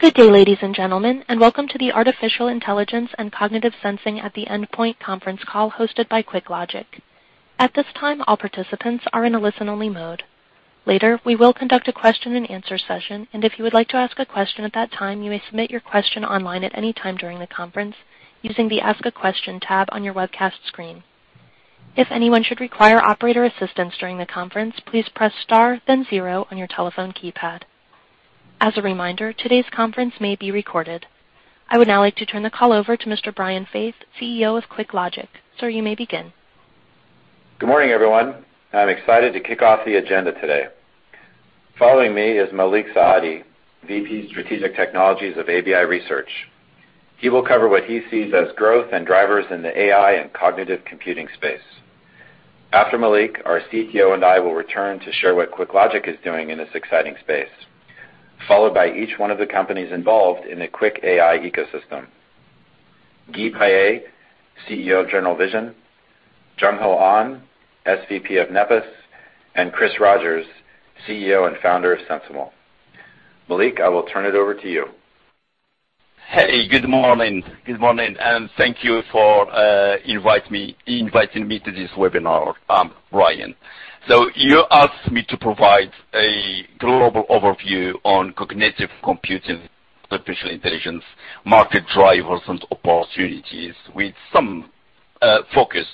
Good day, ladies and gentlemen, and welcome to the Artificial Intelligence and Cognitive Sensing at the Endpoint conference call hosted by QuickLogic. At this time, all participants are in a listen-only mode. Later, we will conduct a question and answer session. If you would like to ask a question at that time, you may submit your question online at any time during the conference using the Ask a Question tab on your webcast screen. If anyone should require operator assistance during the conference, please press star then zero on your telephone keypad. As a reminder, today's conference may be recorded. I would now like to turn the call over to Mr. Brian Faith, CEO of QuickLogic. Sir, you may begin. Good morning, everyone. I'm excited to kick off the agenda today. Following me is Malik Saadi, VP Strategic Technologies of ABI Research. He will cover what he sees as growth and drivers in the AI and cognitive computing space. After Malik, our CTO and I will return to share what QuickLogic is doing in this exciting space, followed by each one of the companies involved in the QuickAI ecosystem. Guy Paillet, CEO of General Vision, Jungho Ahn, SVP of Nepes, and Chris Rogers, CEO and founder of SensiML. Malik, I will turn it over to you. Hey, good morning. Good morning, and thank you for inviting me to this webinar, Brian. You asked me to provide a global overview on cognitive computing, artificial intelligence, market drivers, and opportunities with some focus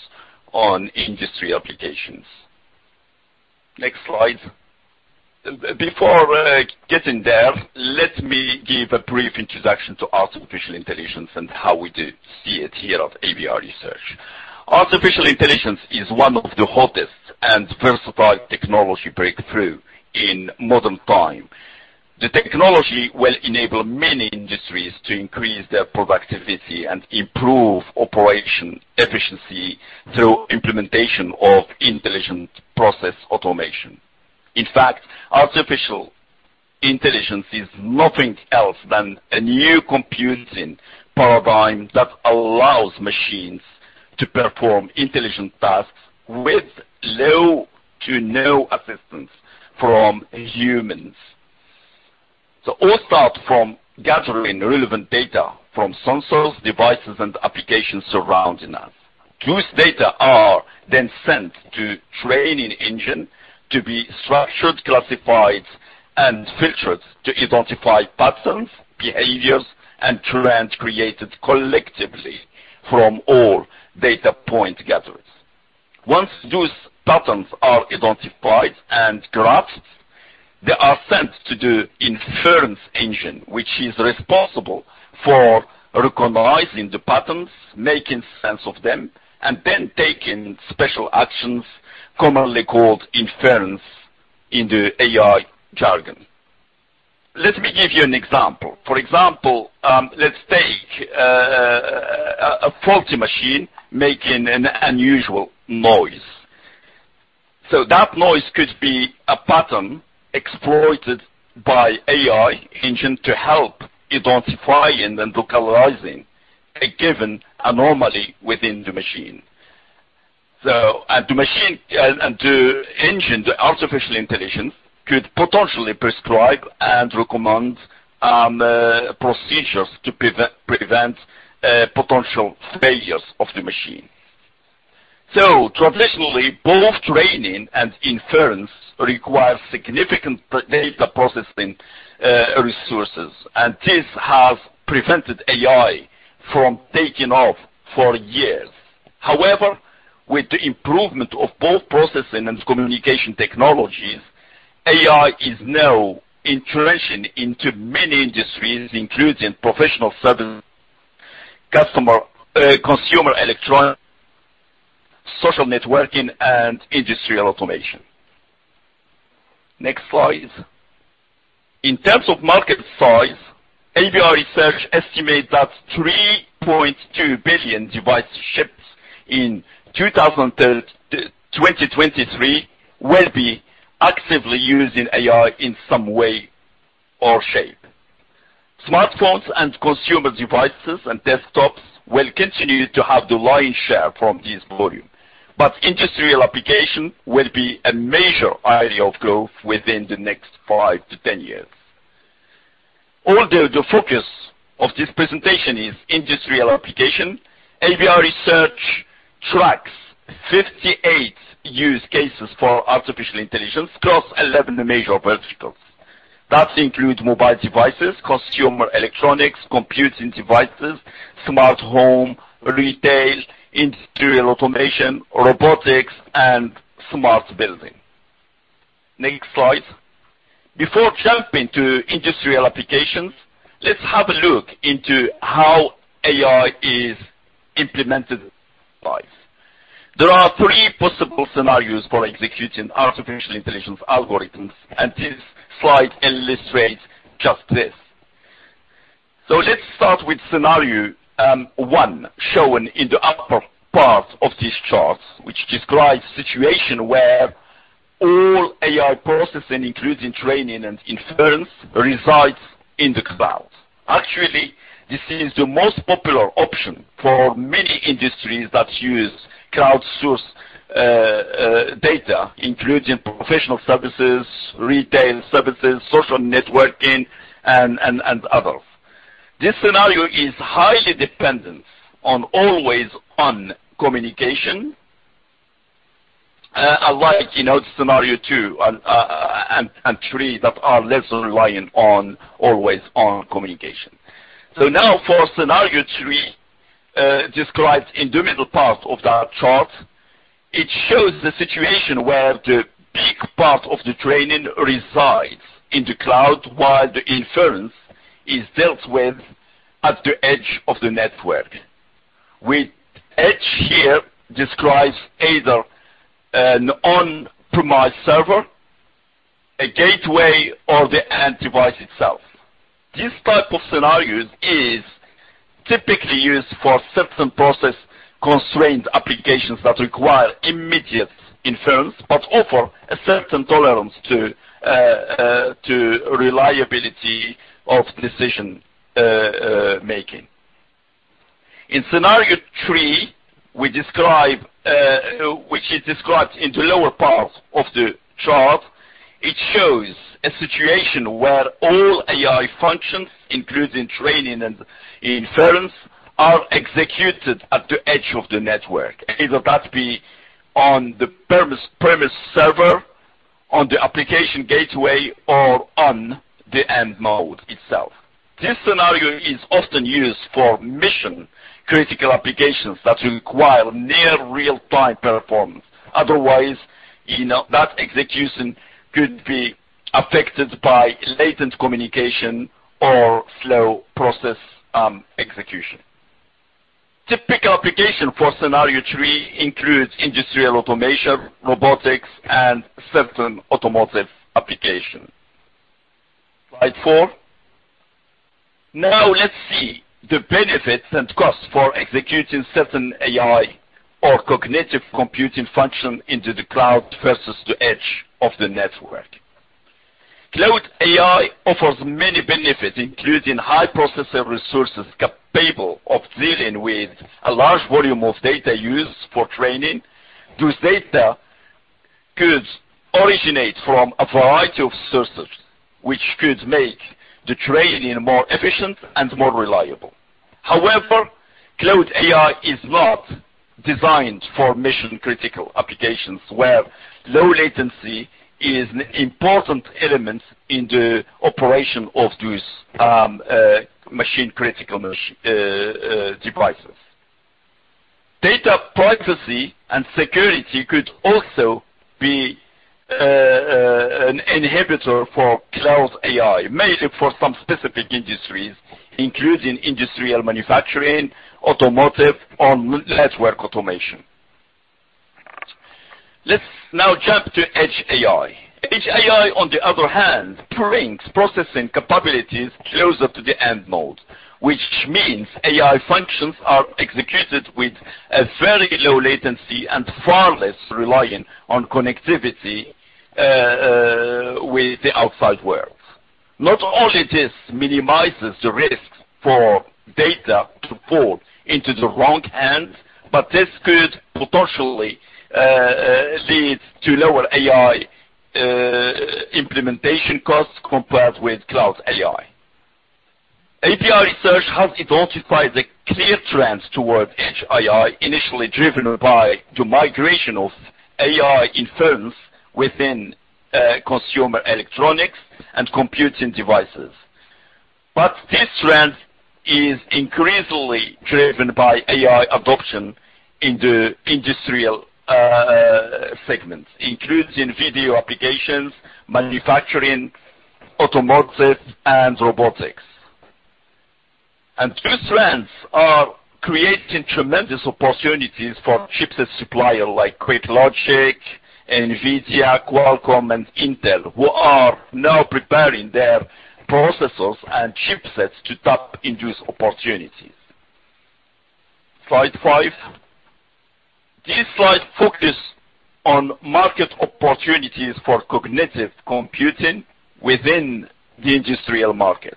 on industry applications. Next slide. Before getting there, let me give a brief introduction to artificial intelligence and how we see it here at ABI Research. Artificial intelligence is one of the hottest and versatile technology breakthrough in modern time. The technology will enable many industries to increase their productivity and improve operation efficiency through implementation of intelligent process automation. In fact, artificial intelligence is nothing else than a new computing paradigm that allows machines to perform intelligent tasks with low to no assistance from humans. All start from gathering relevant data from sensors, devices, and applications surrounding us. Those data are then sent to training engine to be structured, classified, and filtered to identify patterns, behaviors, and trends created collectively from all data point gathers. Once those patterns are identified and grasped, they are sent to the inference engine, which is responsible for recognizing the patterns, making sense of them, and then taking special actions, commonly called inference in the AI jargon. Let me give you an example. For example, let's take a faulty machine making an unusual noise. That noise could be a pattern exploited by AI engine to help identifying and localizing a given anomaly within the machine. The engine, the artificial intelligence, could potentially prescribe and recommend procedures to prevent potential failures of the machine. Traditionally, both training and inference require significant data processing resources, and this has prevented AI from taking off for years. With the improvement of both processing and communication technologies, AI is now intruding into many industries, including professional services, consumer electronics, social networking, and industrial automation. Next slide. In terms of market size, ABI Research estimates that 3.2 billion devices shipped in 2023 will be actively using AI in some way or shape. Smartphones and consumer devices and desktops will continue to have the lion's share from this volume. Industrial application will be a major area of growth within the next 5-10 years. Although the focus of this presentation is industrial application, ABI Research tracks 58 use cases for artificial intelligence across 11 major verticals. That includes mobile devices, consumer electronics, computing devices, smart home, retail, industrial automation, robotics, and smart building. Next slide. Before jumping to industrial applications, let's have a look into how AI is implemented in our lives. There are three possible scenarios for executing artificial intelligence algorithms, and this slide illustrates just this. Let's start with scenario 1, shown in the upper part of this chart, which describes a situation where all AI processing, including training and inference, resides in the cloud. Actually, this is the most popular option for many industries that use cloud source data, including professional services, retail services, social networking, and others. This scenario is highly dependent on always-on communication, unlike scenario 2 and 3 that are less reliant on always-on communication. Now for scenario 3, described in the middle part of that chart. It shows the situation where the big part of the training resides in the cloud, while the inference is dealt with at the edge of the network, with edge here describes either an on-premise server, a gateway or the end device itself. This type of scenario is typically used for certain process-constrained applications that require immediate inference, but offer a certain tolerance to reliability of decision-making. In scenario 3, which is described in the lower part of the chart, it shows a situation where all AI functions, including training and inference, are executed at the edge of the network, either that be on the on-premise server, on the application gateway, or on the end node itself. This scenario is often used for mission-critical applications that require near real-time performance. Otherwise, that execution could be affected by latent communication or slow process execution. Typical application for scenario 3 includes industrial automation, robotics, and certain automotive applications. Slide 4. Let's see the benefits and costs for executing certain AI or cognitive computing function into the cloud versus the edge of the network. Cloud AI offers many benefits, including high processor resources capable of dealing with a large volume of data used for training. This data could originate from a variety of sources, which could make the training more efficient and more reliable. Cloud AI is not designed for mission-critical applications where low latency is an important element in the operation of those machine-critical devices. Data privacy and security could also be an inhibitor for cloud AI, maybe for some specific industries, including industrial manufacturing, automotive, or network automation. Let's now jump to edge AI. Edge AI, on the other hand, brings processing capabilities closer to the end node, which means AI functions are executed with a very low latency and far less reliant on connectivity with the outside world. Not only this minimizes the risk for data to fall into the wrong hands, but this could potentially lead to lower AI implementation costs compared with cloud AI. ABI Research has identified a clear trend towards edge AI, initially driven by the migration of AI inference within consumer electronics and computing devices. This trend is increasingly driven by AI adoption in the industrial segments, including video applications, manufacturing, automotive, and robotics. These trends are creating tremendous opportunities for chipset suppliers like QuickLogic, NVIDIA, Qualcomm, and Intel, who are now preparing their processors and chipsets to tap into these opportunities. Slide five. This slide focus on market opportunities for cognitive computing within the industrial market.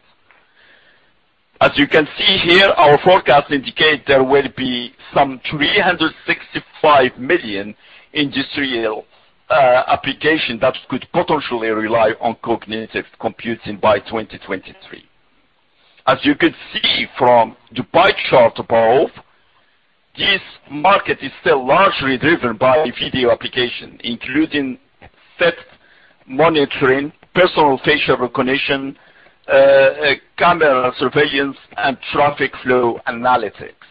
As you can see here, our forecast indicate there will be some 365 million industrial applications that could potentially rely on cognitive computing by 2023. As you can see from the pie chart above, this market is still largely driven by video application, including set monitoring, personal facial recognition, camera surveillance, and traffic flow analytics.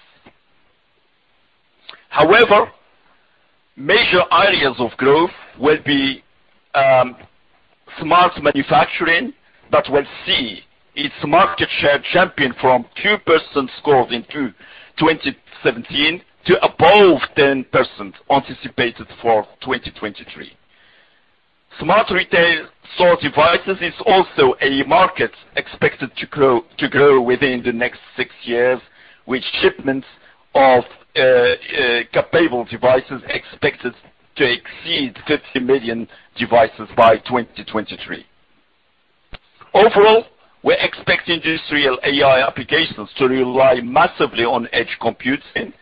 However, major areas of growth will be smart manufacturing that will see its market share jumping from 2% growth in 2017 to above 10% anticipated for 2023. Smart retail store devices is also a market expected to grow within the next six years, with shipments of capable devices expected to exceed 50 million devices by 2023. Overall, we're expecting industrial AI applications to rely massively on edge computing,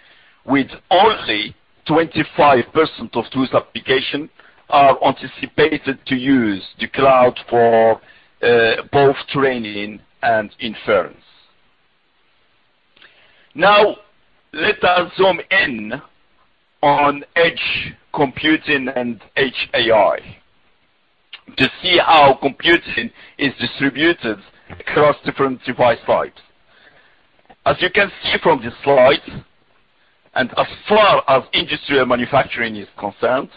with only 25% of those applications are anticipated to use the cloud for both training and inference. Let us zoom in on edge computing and edge AI to see how computing is distributed across different device types. As you can see from this slide, as far as industrial manufacturing is concerned,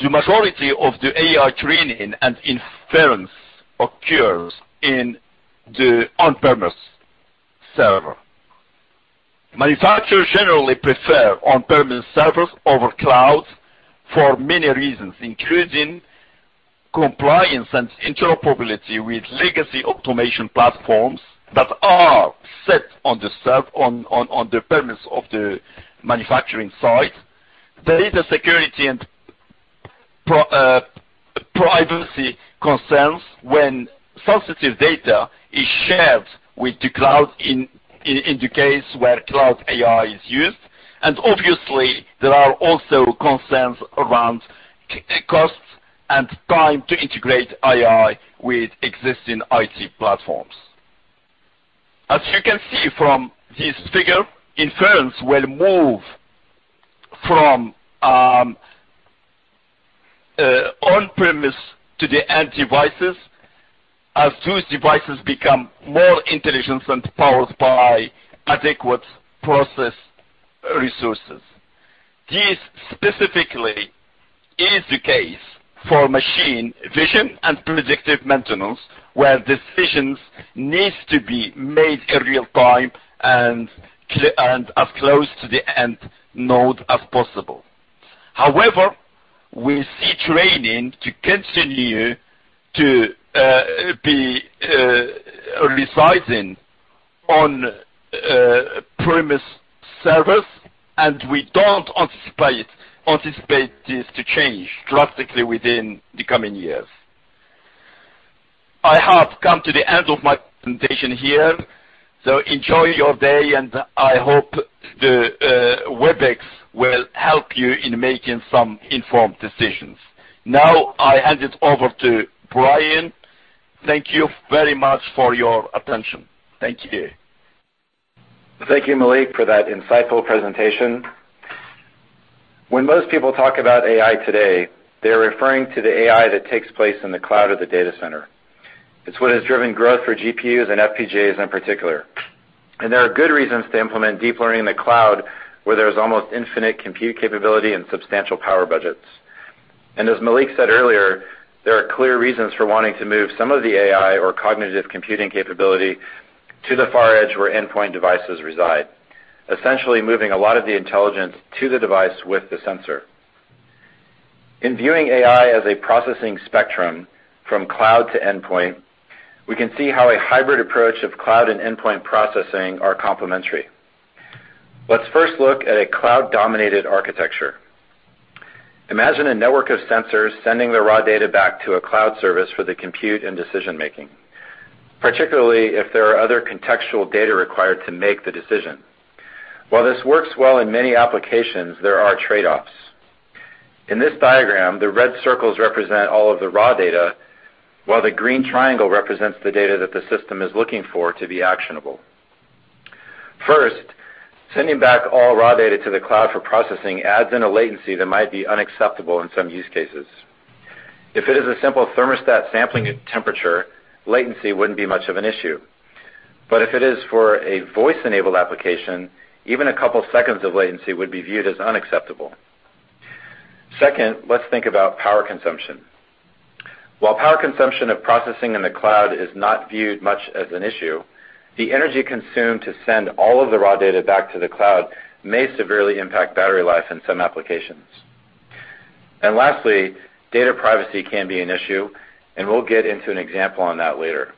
the majority of the AI training and inference occurs in the on-premise server. Manufacturers generally prefer on-premise servers over clouds for many reasons, including compliance and interoperability with legacy automation platforms that are set on the premise of the manufacturing site. There is a security and privacy concerns when sensitive data is shared with the cloud in the case where cloud AI is used. Obviously, there are also concerns around costs and time to integrate AI with existing IT platforms. As you can see from this figure, inference will move from on-premise to the end devices as those devices become more intelligent and powered by adequate process resources. This specifically is the case for machine vision and predictive maintenance, where decisions needs to be made in real time and as close to the end node as possible. We see training to continue to be residing on-premise servers, we don't anticipate this to change drastically within the coming years. I have come to the end of my presentation here. Enjoy your day, and I hope the Webex will help you in making some informed decisions. I hand it over to Brian. Thank you very much for your attention. Thank you. Thank you, Malik, for that insightful presentation. When most people talk about AI today, they're referring to the AI that takes place in the cloud of the data center. It's what has driven growth for GPUs and FPGAs in particular. There are good reasons to implement deep learning in the cloud, where there's almost infinite compute capability and substantial power budgets. As Malik said earlier, there are clear reasons for wanting to move some of the AI or cognitive computing capability to the far edge where endpoint devices reside, essentially moving a lot of the intelligence to the device with the sensor. In viewing AI as a processing spectrum from cloud to endpoint, we can see how a hybrid approach of cloud and endpoint processing are complementary. Let's first look at a cloud-dominated architecture. Imagine a network of sensors sending their raw data back to a cloud service for the compute and decision-making, particularly if there are other contextual data required to make the decision. While this works well in many applications, there are trade-offs. In this diagram, the red circles represent all of the raw data, while the green triangle represents the data that the system is looking for to be actionable. First, sending back all raw data to the cloud for processing adds in a latency that might be unacceptable in some use cases. If it is a simple thermostat sampling temperature, latency wouldn't be much of an issue. If it is for a voice-enabled application, even a couple seconds of latency would be viewed as unacceptable. Second, let's think about power consumption. While power consumption of processing in the cloud is not viewed much as an issue, the energy consumed to send all of the raw data back to the cloud may severely impact battery life in some applications. Lastly, data privacy can be an issue, and we'll get into an example on that later.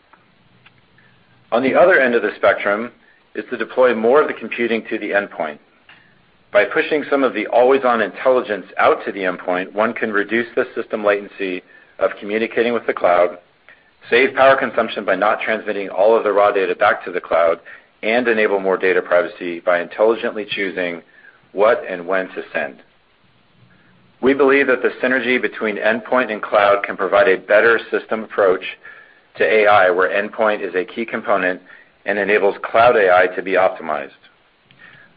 On the other end of the spectrum is to deploy more of the computing to the endpoint. By pushing some of the always-on intelligence out to the endpoint, one can reduce the system latency of communicating with the cloud, save power consumption by not transmitting all of the raw data back to the cloud, and enable more data privacy by intelligently choosing what and when to send. We believe that the synergy between endpoint and cloud can provide a better system approach to AI, where endpoint is a key component and enables cloud AI to be optimized.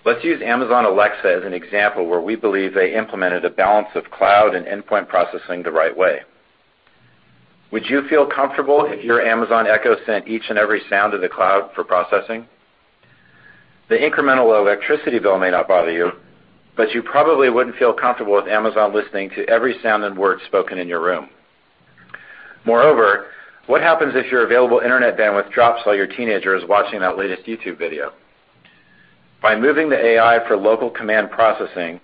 Let's use Amazon Alexa as an example where we believe they implemented a balance of cloud and endpoint processing the right way. Would you feel comfortable if your Amazon Echo sent each and every sound to the cloud for processing? The incremental electricity bill may not bother you, but you probably wouldn't feel comfortable with Amazon listening to every sound and word spoken in your room. Moreover, what happens if your available internet bandwidth drops while your teenager is watching that latest YouTube video? By moving the AI for local command processing,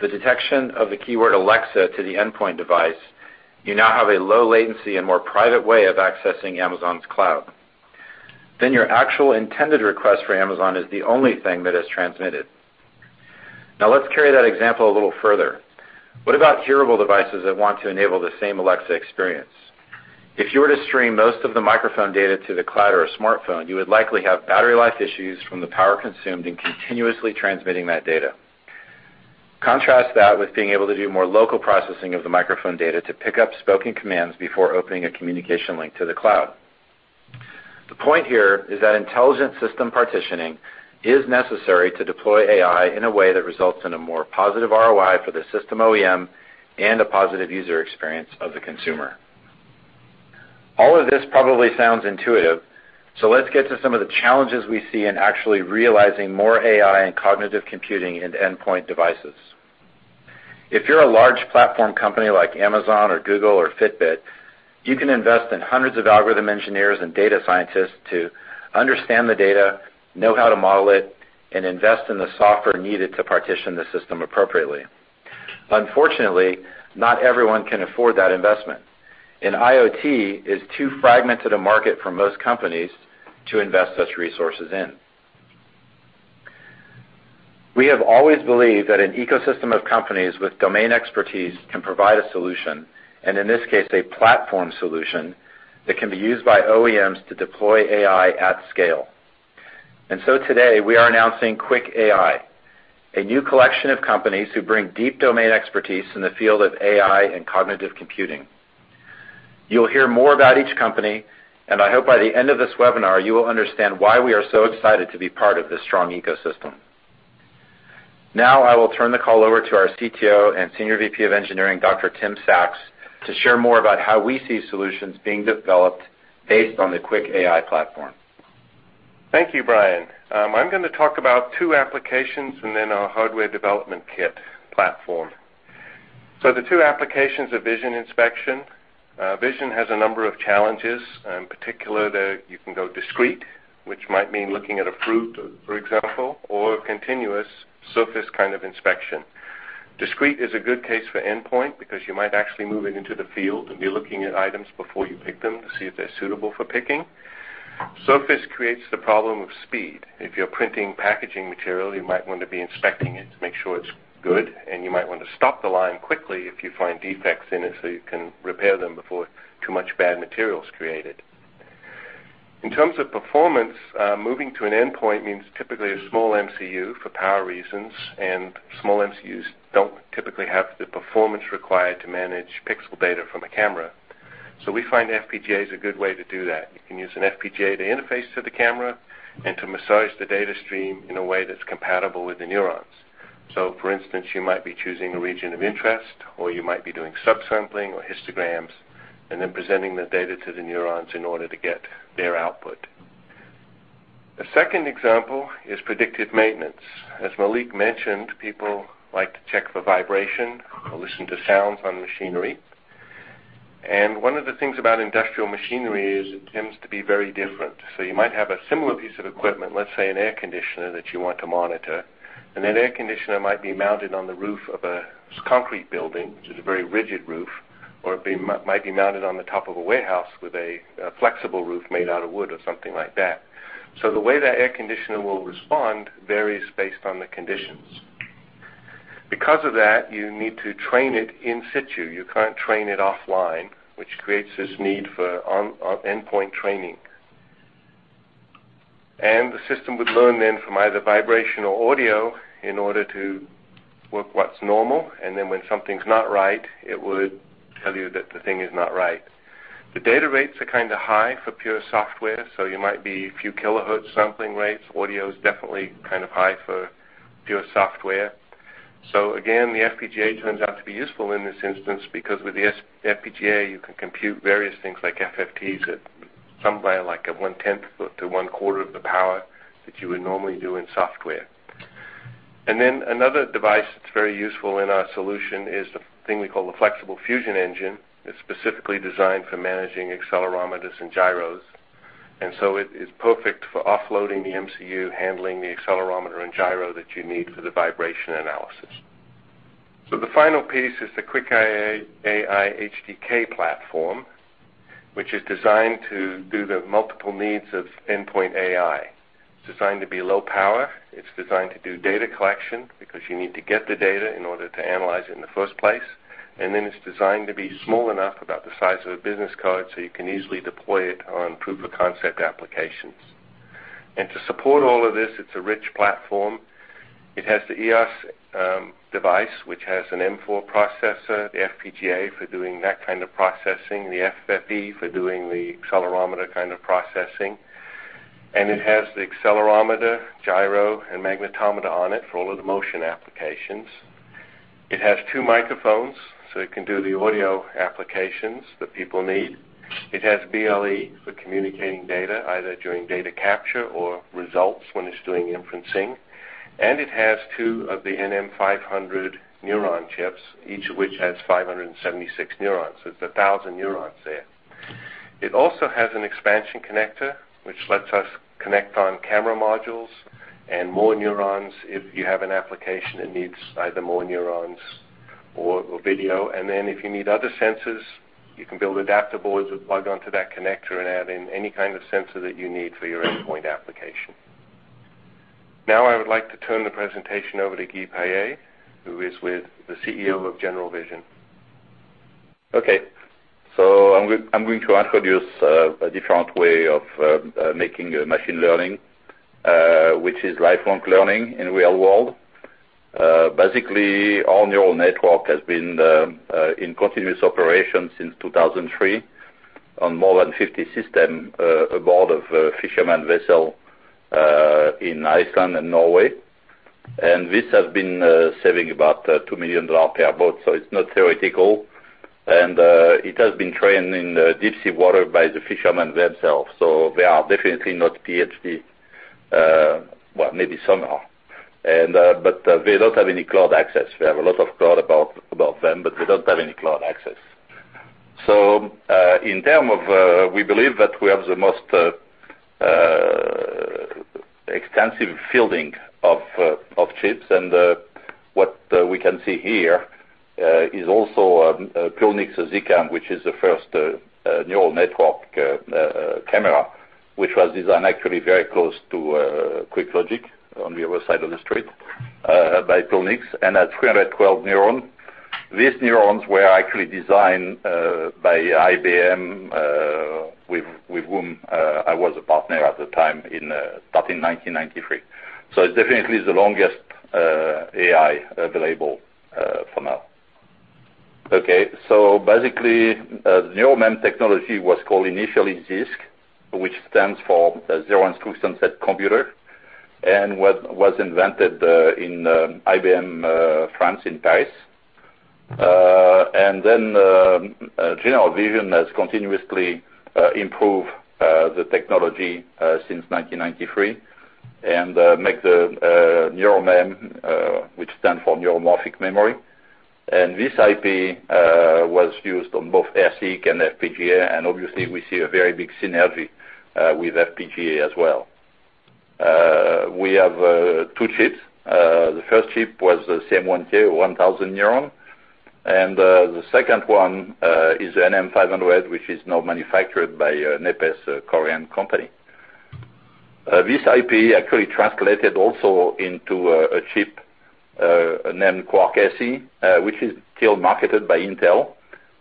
the detection of the keyword Alexa to the endpoint device, you now have a low latency and more private way of accessing Amazon's cloud. Your actual intended request for Amazon is the only thing that is transmitted. Let's carry that example a little further. What about hearable devices that want to enable the same Alexa experience? If you were to stream most of the microphone data to the cloud or a smartphone, you would likely have battery life issues from the power consumed in continuously transmitting that data. Contrast that with being able to do more local processing of the microphone data to pick up spoken commands before opening a communication link to the cloud. The point here is that intelligent system partitioning is necessary to deploy AI in a way that results in a more positive ROI for the system OEM and a positive user experience of the consumer. All of this probably sounds intuitive. Let's get to some of the challenges we see in actually realizing more AI and cognitive computing into endpoint devices. If you're a large platform company like Amazon or Google or Fitbit, you can invest in hundreds of algorithm engineers and data scientists to understand the data, know how to model it, and invest in the software needed to partition the system appropriately. Unfortunately, not everyone can afford that investment, and IoT is too fragmented a market for most companies to invest such resources in. We have always believed that an ecosystem of companies with domain expertise can provide a solution, and in this case, a platform solution that can be used by OEMs to deploy AI at scale. Today, we are announcing QuickAI, a new collection of companies who bring deep domain expertise in the field of AI and cognitive computing. You'll hear more about each company, and I hope by the end of this webinar, you will understand why we are so excited to be part of this strong ecosystem. Now, I will turn the call over to our CTO and Senior VP of Engineering, Dr. Timothy Saxe, to share more about how we see solutions being developed based on the QuickAI platform. Thank you, Brian. I'm going to talk about two applications and our hardware development kit platform. The two applications of vision inspection. Vision has a number of challenges. In particular, you can go discrete, which might mean looking at a fruit, for example, or a continuous surface kind of inspection. Discrete is a good case for endpoint because you might actually move it into the field and be looking at items before you pick them to see if they're suitable for picking. Surface creates the problem of speed. If you're printing packaging material, you might want to be inspecting it to make sure it's good, and you might want to stop the line quickly if you find defects in it so you can repair them before too much bad material is created. In terms of performance, moving to an endpoint means typically a small MCU for power reasons, and small MCUs don't typically have the performance required to manage pixel data from a camera. We find FPGA is a good way to do that. You can use an FPGA to interface to the camera and to massage the data stream in a way that's compatible with the neurons. For instance, you might be choosing a region of interest, or you might be doing subsampling or histograms, and then presenting the data to the neurons in order to get their output. The second example is predictive maintenance. As Malik mentioned, people like to check for vibration or listen to sounds on machinery. One of the things about industrial machinery is it tends to be very different. You might have a similar piece of equipment, let's say an air conditioner that you want to monitor, and that air conditioner might be mounted on the roof of a concrete building, which is a very rigid roof, or it might be mounted on the top of a warehouse with a flexible roof made out of wood or something like that. The way that air conditioner will respond varies based on the conditions. Because of that, you need to train it in situ. You can't train it offline, which creates this need for endpoint training. The system would learn then from either vibration or audio in order to work what's normal, and then when something's not right, it would tell you that the thing is not right. The data rates are kind of high for pure software, you might be a few kilohertz sampling rates. Audio is definitely high for pure software. Again, the FPGA turns out to be useful in this instance because with the FPGA, you can compute various things like FFTs at somewhere like a one-tenth to one-quarter of the power that you would normally do in software. Then another device that's very useful in our solution is the thing we call the Flexible Fusion Engine. It's specifically designed for managing accelerometers and gyros, it is perfect for offloading the MCU handling the accelerometer and gyro that you need for the vibration analysis. The final piece is the QuickAI AI HDK platform, which is designed to do the multiple needs of endpoint AI. It's designed to be low power, it's designed to do data collection because you need to get the data in order to analyze it in the first place, it's designed to be small enough, about the size of a business card, you can easily deploy it on proof of concept applications. To support all of this, it's a rich platform. It has the EOS device, which has an M4 processor, the FPGA for doing that kind of processing, the FFE for doing the accelerometer kind of processing, and it has the accelerometer, gyro, and magnetometer on it for all of the motion applications. It has two microphones, it can do the audio applications that people need. It has BLE for communicating data, either during data capture or results when it's doing inferencing. It has two of the NM500 neuron chips, each of which has 576 neurons. It's 1,000 neurons there. It also has an expansion connector, which lets us connect on-camera modules and more neurons if you have an application that needs either more neurons or video. If you need other sensors, you can build adapter boards that plug onto that connector and add in any kind of sensor that you need for your endpoint application. I would like to turn the presentation over to Guy Paillet, who is the CEO of General Vision. I'm going to introduce a different way of making machine learning, which is lifelong learning in real-world. Basically, our neural network has been in continuous operation since 2003 on more than 50 systems aboard fisherman vessels in Iceland and Norway. This has been saving about $2 million per boat, it's not theoretical. It has been trained in deep sea water by the fishermen themselves, they are definitely not PhD. Well, maybe some are. They don't have any cloud access. They have a lot of cloud about them, but they don't have any cloud access. In terms of we believe that we have the most extensive fielding of chips. What we can see here is also a Pulnix Zcam, which is the first neural network camera, which was designed actually very close to QuickLogic on the other side of the street, by Pulnix, and has 312 neurons. These neurons were actually designed by IBM, with whom I was a partner at the time starting 1993. It's definitely the longest AI available for now. Basically, NeuroMem technology was called initially ZISC, which stands for Zero Instruction Set Computer, and was invented in IBM France in Paris. General Vision has continuously improved the technology since 1993, and made the NeuroMem, which stands for neuromorphic memory. This IP was used on both ASIC and FPGA, obviously we see a very big synergy with FPGA as well. We have two chips. The first chip was the CM1K, 1,000 neurons. The second one is NM500, which is now manufactured by Nepes, a Korean company. This IP actually translated also into a chip, Intel Quark SE, which is still marketed by Intel.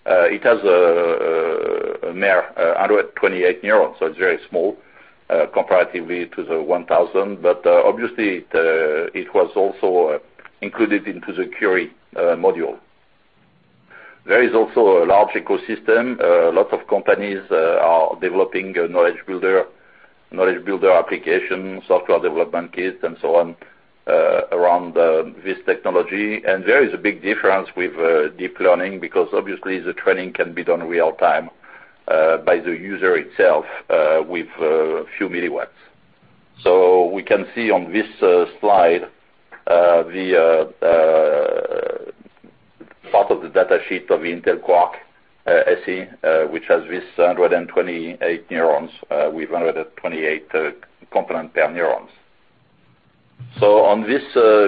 It has a mere 128 neurons, it's very small comparatively to the 1,000. Obviously, it was also included into the Intel Curie module. There is also a large ecosystem. Lots of companies are developing knowledge builder applications, software development kits, and so on around this technology. There is a big difference with deep learning because obviously the training can be done real-time by the user itself with few milliwatts. We can see on this slide the part of the data sheet of Intel Quark SE, which has this 128 neurons with 128 components per neuron. On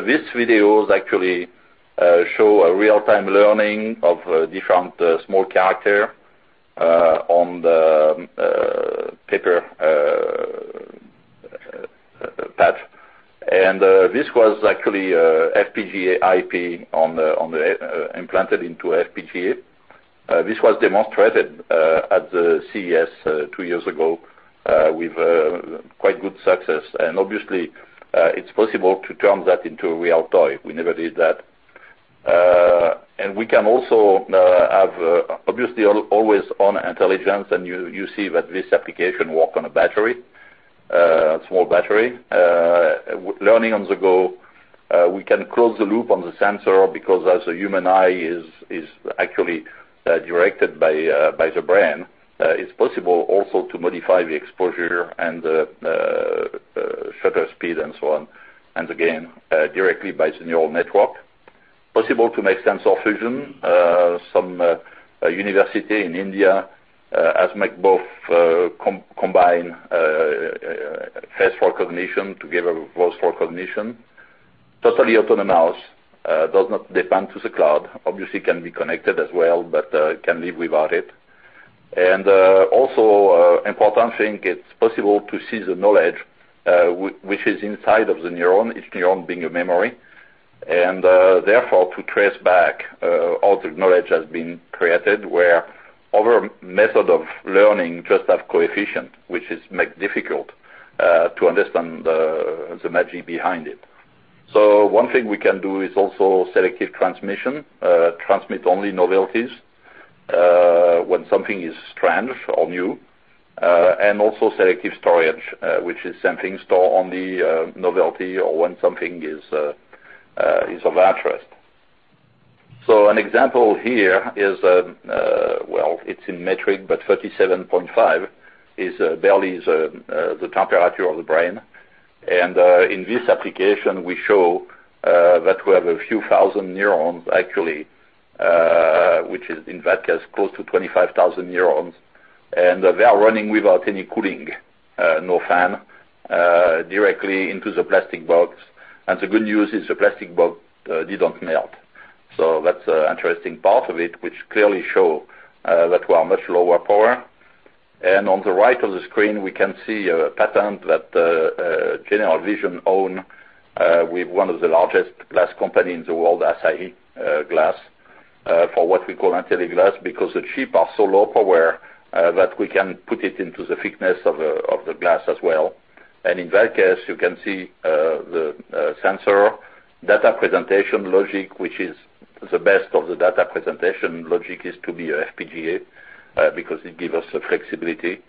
this video actually shows a real-time learning of different small characters on the paper path. This was actually a FPGA IP implemented into a FPGA. This was demonstrated at the CES two years ago with quite good success. Obviously, it's possible to turn that into a real toy. We never did that. We can also have obviously always-on intelligence and you see that this application work on a small battery. Learning on the go. We can close the loop on the sensor because as a human eye is actually directed by the brain, it's possible also to modify the exposure and the shutter speed and so on. Again directly by the neural network. Possible to make sensor fusion. Some university in India has make both combine face recognition together with voice recognition. Totally autonomous. Does not depend to the cloud. Obviously can be connected as well, but can live without it. Also important thing, it's possible to see the knowledge which is inside of the neuron, each neuron being a memory. Therefore, to trace back all the knowledge has been created where other method of learning just have coefficient, which is make difficult to understand the magic behind it. One thing we can do is also selective transmission. Transmit only novelties when something is strange or new. Also selective storage, which is something store on the novelty or when something is of interest. An example here is, well, it's in metric, but 37.5 is barely the temperature of the brain. In this application, we show that we have a few thousand neurons actually, which is in that case close to 25,000 neurons. They are running without any cooling, no fan, directly into the plastic box. The good news is the plastic box didn't melt. That's an interesting part of it, which clearly show that we are much lower power. On the right of the screen, we can see a pattern that General Vision own with one of the largest glass company in the world, AGC Inc., for what we call intelliGlass, because the chip are so low power that we can put it into the thickness of the glass as well. In that case, you can see the sensor data presentation logic, which is the best of the data presentation logic is to be a FPGA, because it give us the flexibility.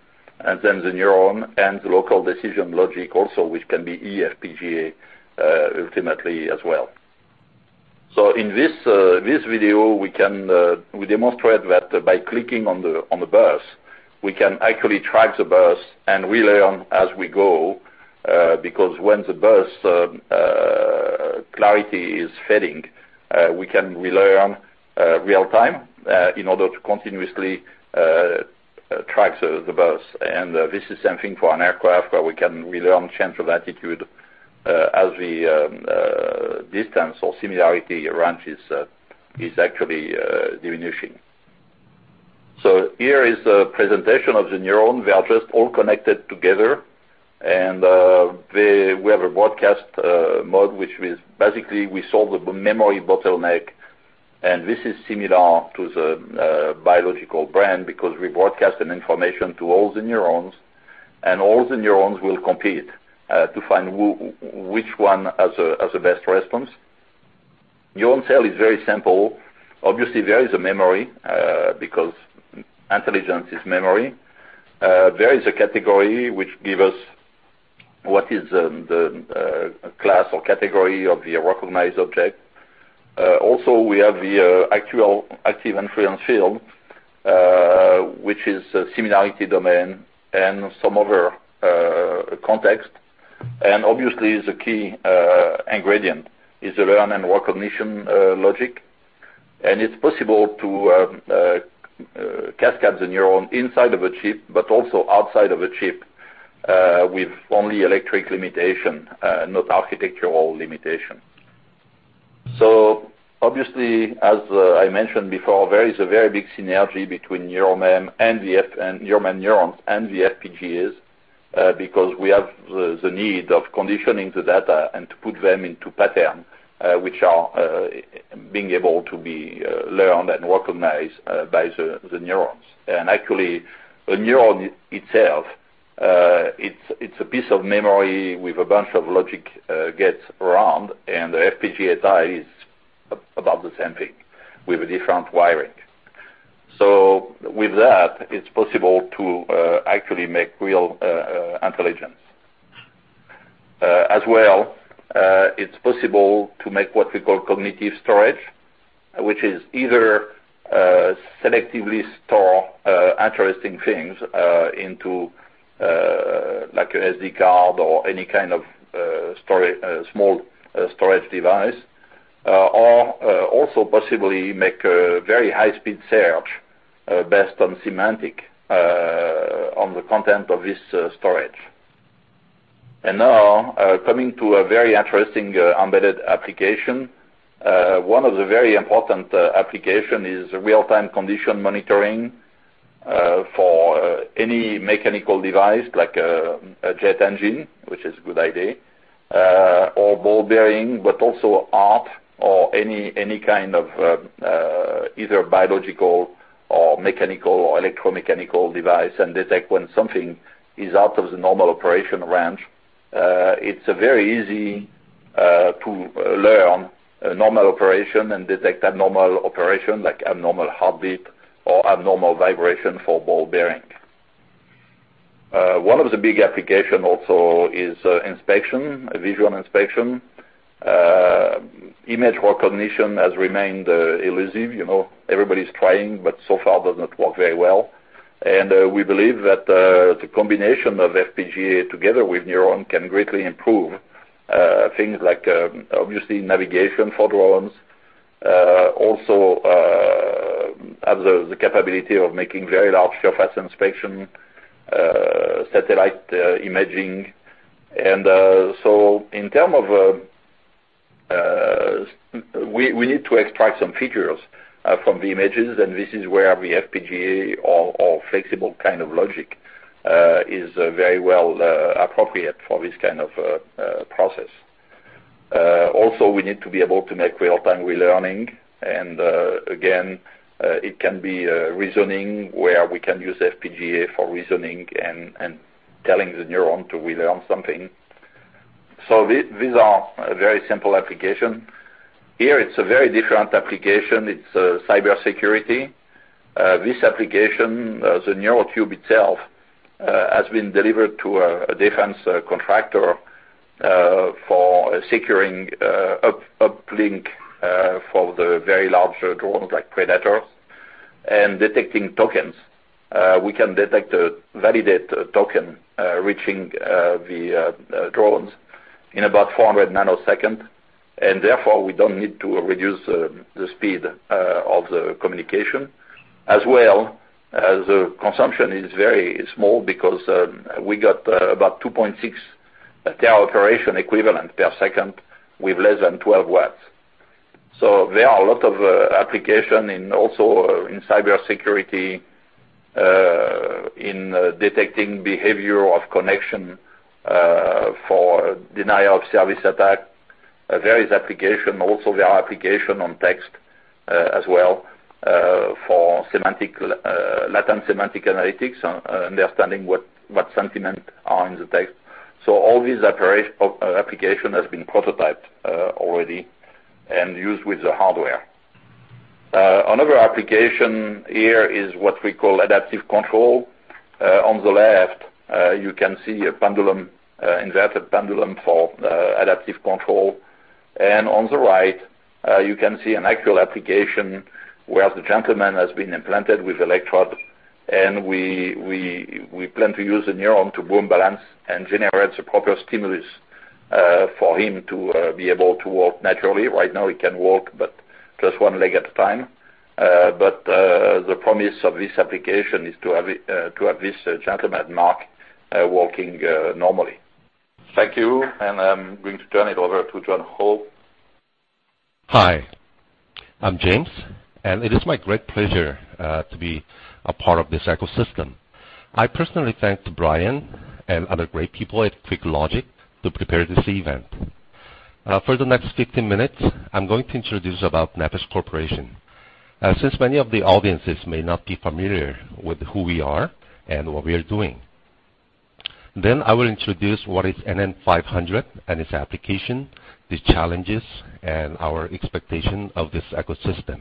Then the neuron and the local decision logic also, which can be eFPGA ultimately as well. In this video, we demonstrate that by clicking on the bus, we can actually track the bus and relearn as we go, because when the bus clarity is fading, we can relearn real-time, in order to continuously track the bus. This is same thing for an aircraft where we can relearn change of attitude as the distance or similarity range is actually diminishing. Here is a presentation of the neuron. They are just all connected together, and we have a broadcast mode, which is basically we solve the memory bottleneck. This is similar to the biological brain because we broadcast an information to all the neurons, and all the neurons will compete, to find which one has the best response. Neuron cell is very simple. Obviously, there is a memory, because intelligence is memory. There is a category which give us what is the class or category of the recognized object. Also, we have the actual active inference field, which is a similarity domain and some other context. Obviously, the key ingredient is the learn and recognition logic. It's possible to cascade the neuron inside of a chip, but also outside of a chip, with only electric limitation, not architectural limitation. Obviously, as I mentioned before, there is a very big synergy between NeuroMem neurons and the FPGAs, because we have the need of conditioning the data and to put them into pattern, which are being able to be learned and recognized by the neurons. Actually, a neuron itself, it's a piece of memory with a bunch of logic gates around, and the FPGA side is about the same thing with a different wiring. With that, it's possible to actually make real intelligence. As well, it's possible to make what we call cognitive storage, which is either selectively store interesting things into like an SD card or any kind of small storage device. Also possibly make a very high speed search based on semantic, on the content of this storage. Now, coming to a very interesting embedded application. One of the very important application is real-time condition monitoring, for any mechanical device like a jet engine, which is a good idea, or ball bearing, but also part or any kind of either biological or mechanical or electromechanical device, and detect when something is out of the normal operation range. It's very easy to learn a normal operation and detect abnormal operation, like abnormal heartbeat or abnormal vibration for ball bearing. One of the big application also is inspection, visual inspection. Image recognition has remained elusive. Everybody's trying, but so far does not work very well. We believe that the combination of FPGA together with neuron can greatly improve things like obviously navigation for drones, also have the capability of making very large surface inspection, satellite imaging. We need to extract some features from the images, and this is where the FPGA or flexible kind of logic is very well appropriate for this kind of process. Also, we need to be able to make real-time relearning. Again, it can be reasoning where we can use FPGA for reasoning and telling the neuron to relearn something. These are very simple application. Here it's a very different application. It's cybersecurity. This application, the NeuroTube itself, has been delivered to a defense contractor for securing uplink for the very large drones like Predators and detecting tokens. We can detect, validate a token, reaching the drones in about 400 nanosecond. Therefore, we don't need to reduce the speed of the communication. As well, the consumption is very small because we got about 2.6 teraoperation equivalent per second with less than 12 watts. There are a lot of application in also in cybersecurity, in detecting behavior of connection for denial-of-service attack. Various application. Also, there are application on text as well, for latent semantic analytics, understanding what sentiment are in the text. All these application has been prototyped already and used with the hardware. Another application here is what we call adaptive control. On the left, you can see a pendulum, inverted pendulum for adaptive control. On the right, you can see an actual application where the gentleman has been implanted with electrode, and we plan to use a neuron to rebalance and generate the proper stimulus for him to be able to walk naturally. Right now, he can walk, but just one leg at a time. The promise of this application is to have this gentleman, Mark, walking normally. Thank you, and I'm going to turn it over to Jungho. Hi. I'm James, and it is my great pleasure to be a part of this ecosystem. I personally thank Brian and other great people at QuickLogic to prepare this event. For the next 15 minutes, I'm going to introduce about Nepes Corporation, since many of the audiences may not be familiar with who we are and what we are doing. I will introduce what is NM500 and its application, the challenges, and our expectation of this ecosystem.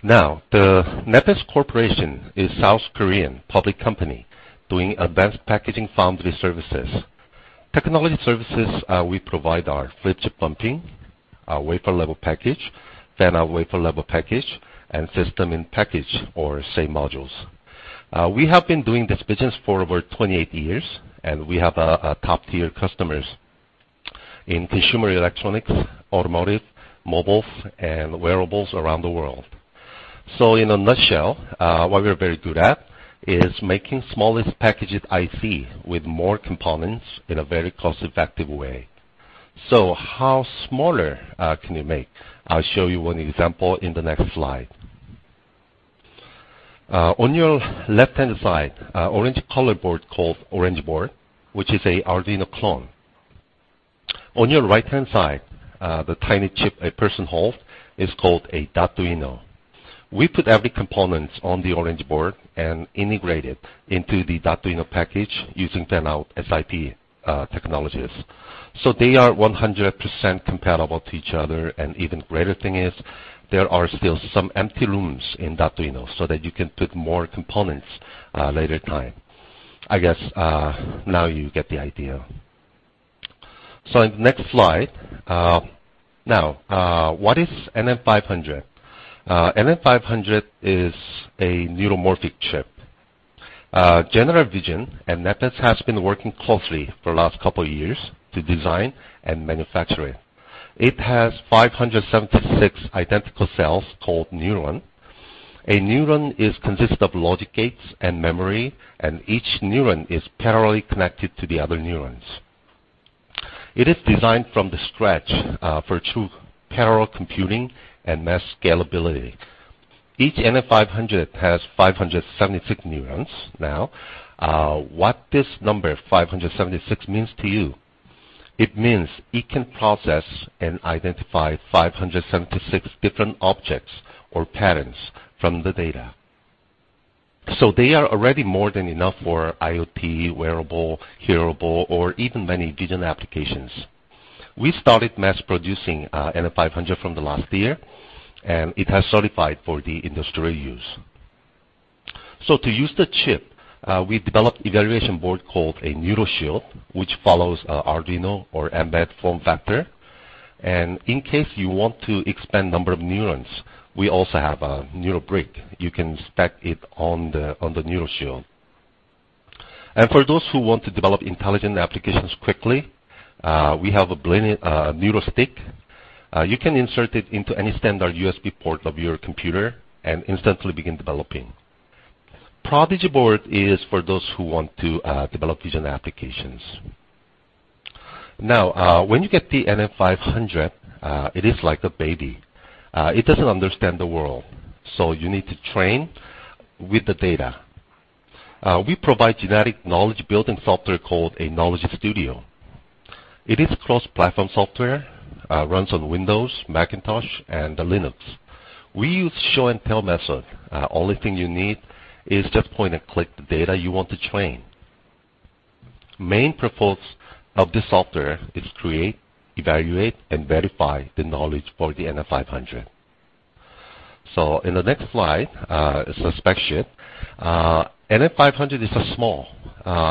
The Nepes Corporation is South Korean public company doing advanced packaging foundry services. Technology services we provide are flip-chip bumping, wafer level package, fan-out wafer level package, and system in package or SiP modules. We have been doing this business for over 28 years, and we have top-tier customers in consumer electronics, automotive, mobile, and wearables around the world. In a nutshell, what we're very good at is making smallest packages IC with more components in a very cost-effective way. How smaller can you make? I'll show you one example in the next slide. On your left-hand side, orange color board called Orangepip, which is an Arduino clone. On your right-hand side, the tiny chip a person hold is called a Datduino. We put every component on the Orangepip and integrate it into the Datduino package using fan-out SiP technologies. They are 100% compatible to each other, and even greater thing is there are still some empty rooms in Datduino so that you can put more components later time. I guess now you get the idea. In the next slide. What is NM500? NM500 is a neuromorphic chip. General Vision, Nepes has been working closely for the last couple of years to design and manufacture it. It has 576 identical cells called neuron. A neuron is consisted of logic gates and memory, and each neuron is parallelly connected to the other neurons. It is designed from scratch for true parallel computing and mass scalability. Each NM500 has 576 neurons. What this number 576 means to you? It means it can process and identify 576 different objects or patterns from the data. They are already more than enough for IoT, wearable, hearable, or even many vision applications. We started mass producing NM500 from the last year, and it has certified for the industrial use. To use the chip, we developed evaluation board called a NeuroShield, which follows Arduino or mbed form factor. In case you want to expand number of neurons, we also have a NeuroBrick. You can stack it on the NeuroShield. For those who want to develop intelligent applications quickly, we have a NeuroStick. You can insert it into any standard USB port of your computer and instantly begin developing. Prodigy board is for those who want to develop vision applications. When you get the NM500, it is like a baby. It does not understand the world, so you need to train with the data. We provide generic knowledge building software called a Knowledge Studio. It is cross-platform software, runs on Windows, Macintosh, and Linux. We use show and tell method. Only thing you need is just point and click the data you want to train. Main purpose of this software is create, evaluate, and verify the knowledge for the NM500. In the next slide, is a spec sheet. NM500 is small.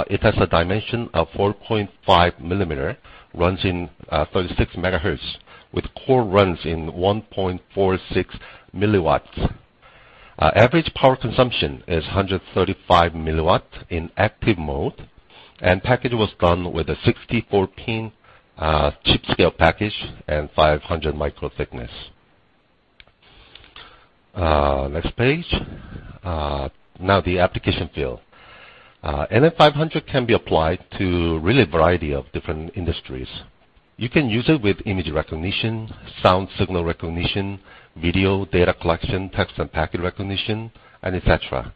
It has a dimension of 4.5 mm, runs in 36 MHz, with core runs in 1.46 mW. Average power consumption is 135 mW in active mode, and package was done with a 64-pin Chip Scale Package and 500 micro-thickness. Next page. The application field. NM500 can be applied to really a variety of different industries. You can use it with image recognition, sound signal recognition, video data collection, text and packet recognition, and et cetera.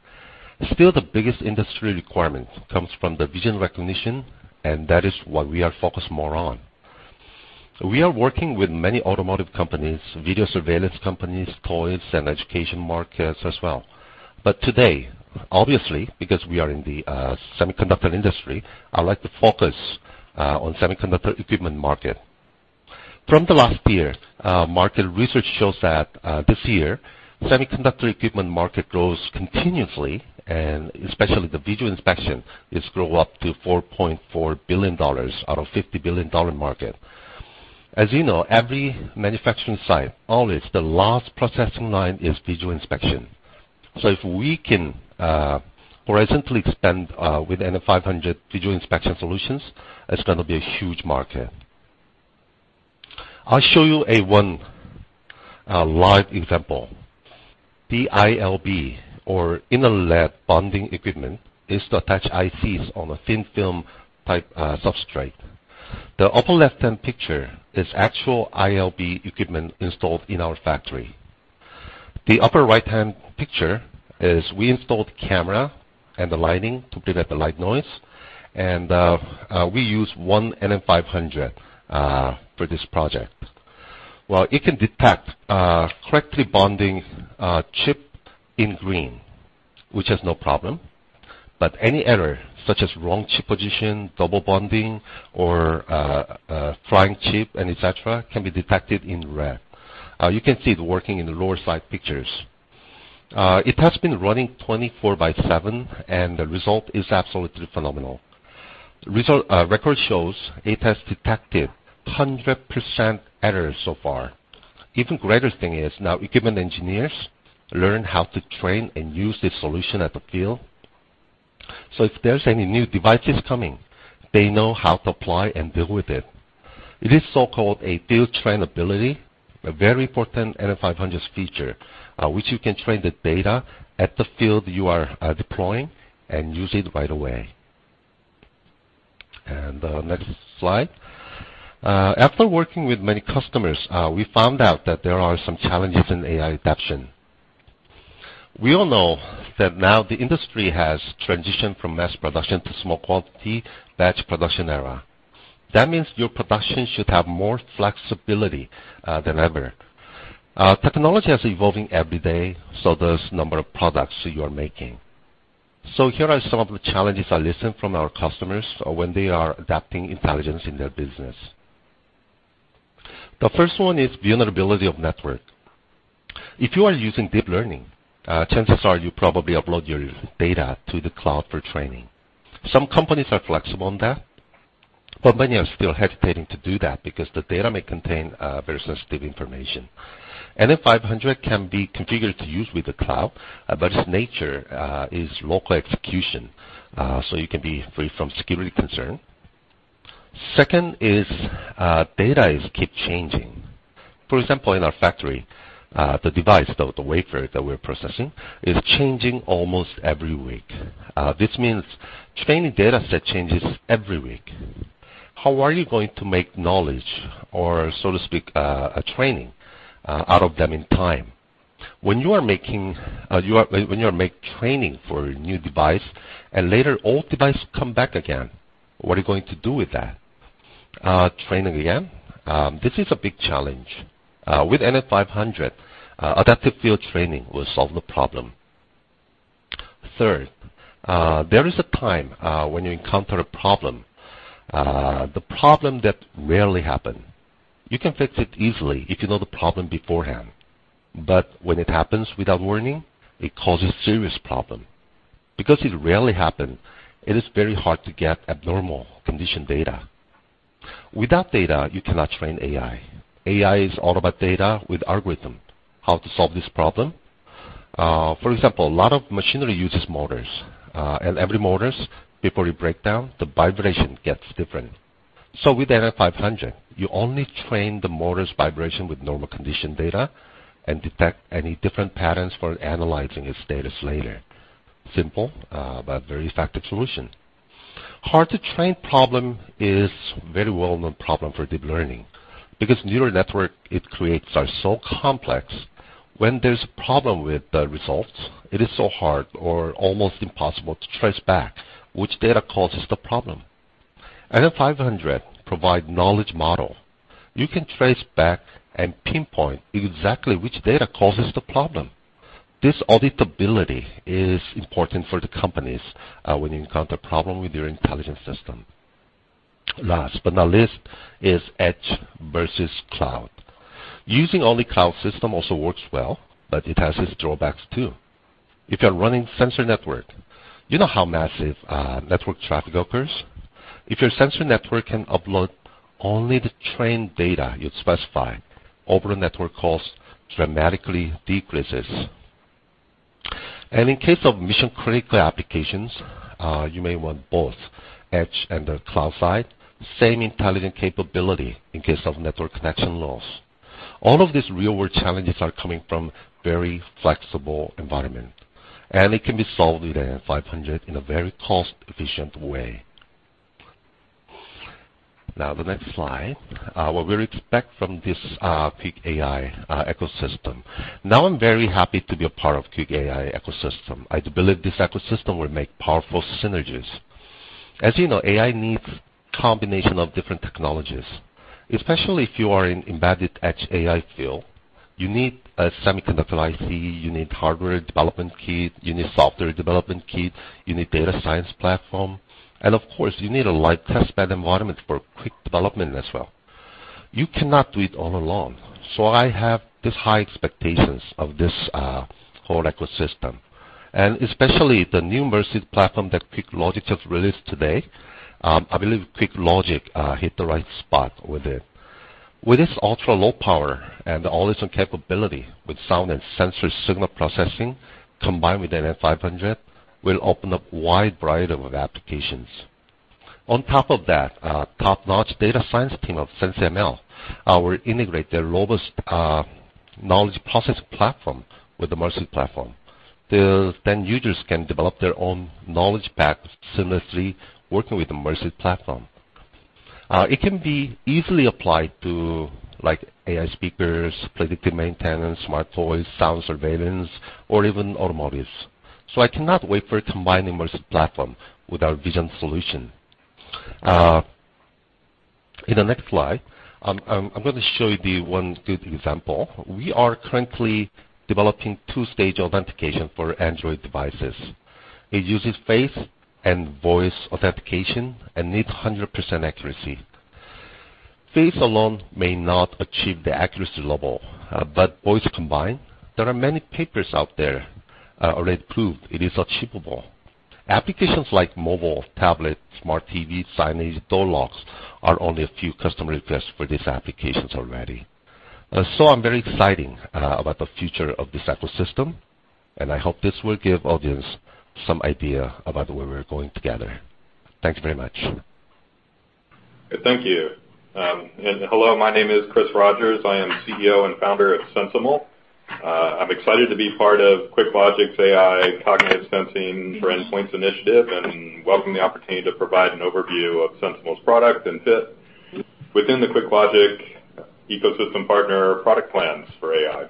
The biggest industry requirement comes from the vision recognition, and that is what we are focused more on. We are working with many automotive companies, video surveillance companies, toys, and education markets as well. Today, obviously, because we are in the semiconductor industry, I would like to focus on semiconductor equipment market. From the last year, market research shows that this year, semiconductor equipment market grows continuously, and especially the visual inspection grows up to $4.4 billion out of $50 billion market. As you know, every manufacturing site, always the last processing line is visual inspection. If we can horizontally expand with NM500 visual inspection solutions, it is going to be a huge market. I will show you one live example. The ILB, or in-line bonding equipment, is to attach ICs on a thin film type substrate. The upper left-hand picture is actual ILB equipment installed in our factory. The upper right-hand picture is we installed camera and the lighting to prevent the light noise, and we use one NM500 for this project. While it can detect correctly bonding chip in green, which has no problem, but any error, such as wrong chip position, double bonding, or a flying chip, and et cetera, can be detected in red. You can see it working in the lower side pictures. It has been running 24/7, and the result is absolutely phenomenal. Record shows it has detected 100% errors so far. Even greater thing is now equipment engineers learn how to train and use this solution at the field. If there is any new devices coming, they know how to apply and deal with it. It is so-called a field trainability, a very important NM500's feature, which you can train the data at the field you are deploying and use it right away. Next slide. After working with many customers, we found out that there are some challenges in AI adaptation. We all know that now the industry has transitioned from mass production to small quantity batch production era. That means your production should have more flexibility than ever. Technology is evolving every day, so does number of products you are making. Here are some of the challenges I listen from our customers when they are adapting intelligence in their business. The first one is vulnerability of network. If you are using deep learning, chances are you probably upload your data to the cloud for training. Some companies are flexible on that, but many are still hesitating to do that because the data may contain very sensitive information. NM500 can be configured to use with the cloud, but its nature is local execution, so you can be free from security concern. Second is data is keep changing. For example, in our factory, the device, the wafer that we're processing is changing almost every week. This means training data set changes every week. How are you going to make knowledge or so to speak, a training out of them in time? When you make training for a new device and later old device come back again, what are you going to do with that? Train again? This is a big challenge. With NM500, adaptive field training will solve the problem. Third, there is a time when you encounter a problem, the problem that rarely happen. You can fix it easily if you know the problem beforehand. But when it happens without warning, it causes serious problem. Because it rarely happen, it is very hard to get abnormal condition data. Without data, you cannot train AI. AI is all about data with algorithm. How to solve this problem? For example, a lot of machinery uses motors. Every motors, before it break down, the vibration gets different. With NM500, you only train the motor's vibration with normal condition data and detect any different patterns for analyzing its status later. Simple, but very effective solution. Hard to train problem is very well-known problem for deep learning. Because neural network it creates are so complex when there's a problem with the results, it is so hard or almost impossible to trace back which data causes the problem. NM500 provide knowledge model. You can trace back and pinpoint exactly which data causes the problem. This auditability is important for the companies when you encounter problem with your intelligence system. Last but not least is edge versus cloud. Using only cloud system also works well, but it has its drawbacks too. If you're running sensor network, you know how massive network traffic occurs? If your sensor network can upload only the trained data you specify, overall network cost dramatically decreases. In case of mission-critical applications, you may want both edge and the cloud side, same intelligent capability in case of network connection loss. All of these real-world challenges are coming from very flexible environment, and it can be solved with NM500 in a very cost-efficient way. The next slide. What we expect from this QuickAI ecosystem. I'm very happy to be a part of QuickAI ecosystem. I believe this ecosystem will make powerful synergies. You know, AI needs combination of different technologies. Especially if you are in embedded edge AI field, you need a semiconductor IC, you need hardware development kit, you need software development kit, you need data science platform, and of course, you need a live test bed environment for quick development as well. You cannot do it all alone. I have this high expectations of this whole ecosystem. Especially the new MERSIT platform that QuickLogic just released today, I believe QuickLogic hit the right spot with it. With its ultra-low power and the always-on capability with sound and sensor signal processing, combined with NM500, will open up wide variety of applications. On top of that, top-notch data science team of SensiML will integrate their robust knowledge processing platform with the MERSIT platform. Users can develop their own knowledge pack seamlessly working with the MERSIT platform. It can be easily applied to AI speakers, predictive maintenance, smart toys, sound surveillance, or even automotives. I cannot wait for combining MERSIT platform with our vision solution. In the next slide, I'm going to show you one good example. We are currently developing 2-stage authentication for Android devices. It uses face and voice authentication and needs 100% accuracy. Face alone may not achieve the accuracy level, but voice combined, there are many papers out there already proved it is achievable. Applications like mobile, tablet, smart TV, signage, door locks are only a few customer requests for these applications already. I'm very exciting about the future of this ecosystem, and I hope this will give audience some idea about where we're going together. Thank you very much. Thank you. Hello, my name is Chris Rogers. I am CEO and founder of SensiML. I'm excited to be part of QuickLogic's AI cognitive sensing for endpoints initiative, and welcome the opportunity to provide an overview of SensiML's product and fit within the QuickLogic ecosystem partner product plans for AI.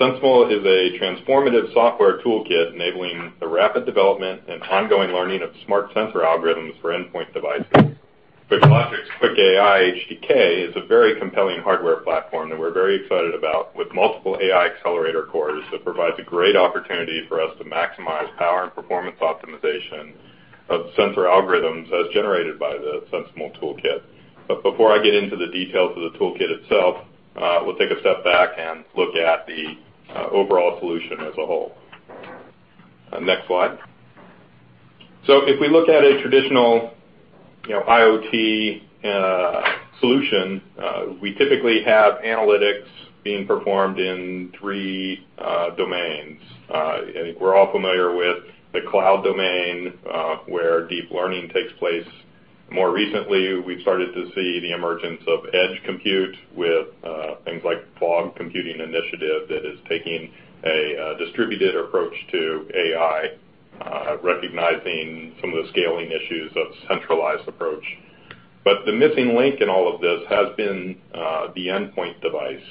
SensiML is a transformative software toolkit enabling the rapid development and ongoing learning of smart sensor algorithms for endpoint devices. QuickLogic's QuickAI HDK is a very compelling hardware platform that we're very excited about, with multiple AI accelerator cores that provides a great opportunity for us to maximize power and performance optimization of sensor algorithms as generated by the SensiML toolkit. Before I get into the details of the toolkit itself, we'll take a step back and look at the overall solution as a whole. Next slide. If we look at a traditional IoT solution, we typically have analytics being performed in three domains. I think we're all familiar with the cloud domain, where deep learning takes place. More recently, we've started to see the emergence of edge compute with things like fog computing initiative that is taking a distributed approach to AI, recognizing some of the scaling issues of centralized approach. The missing link in all of this has been the endpoint device.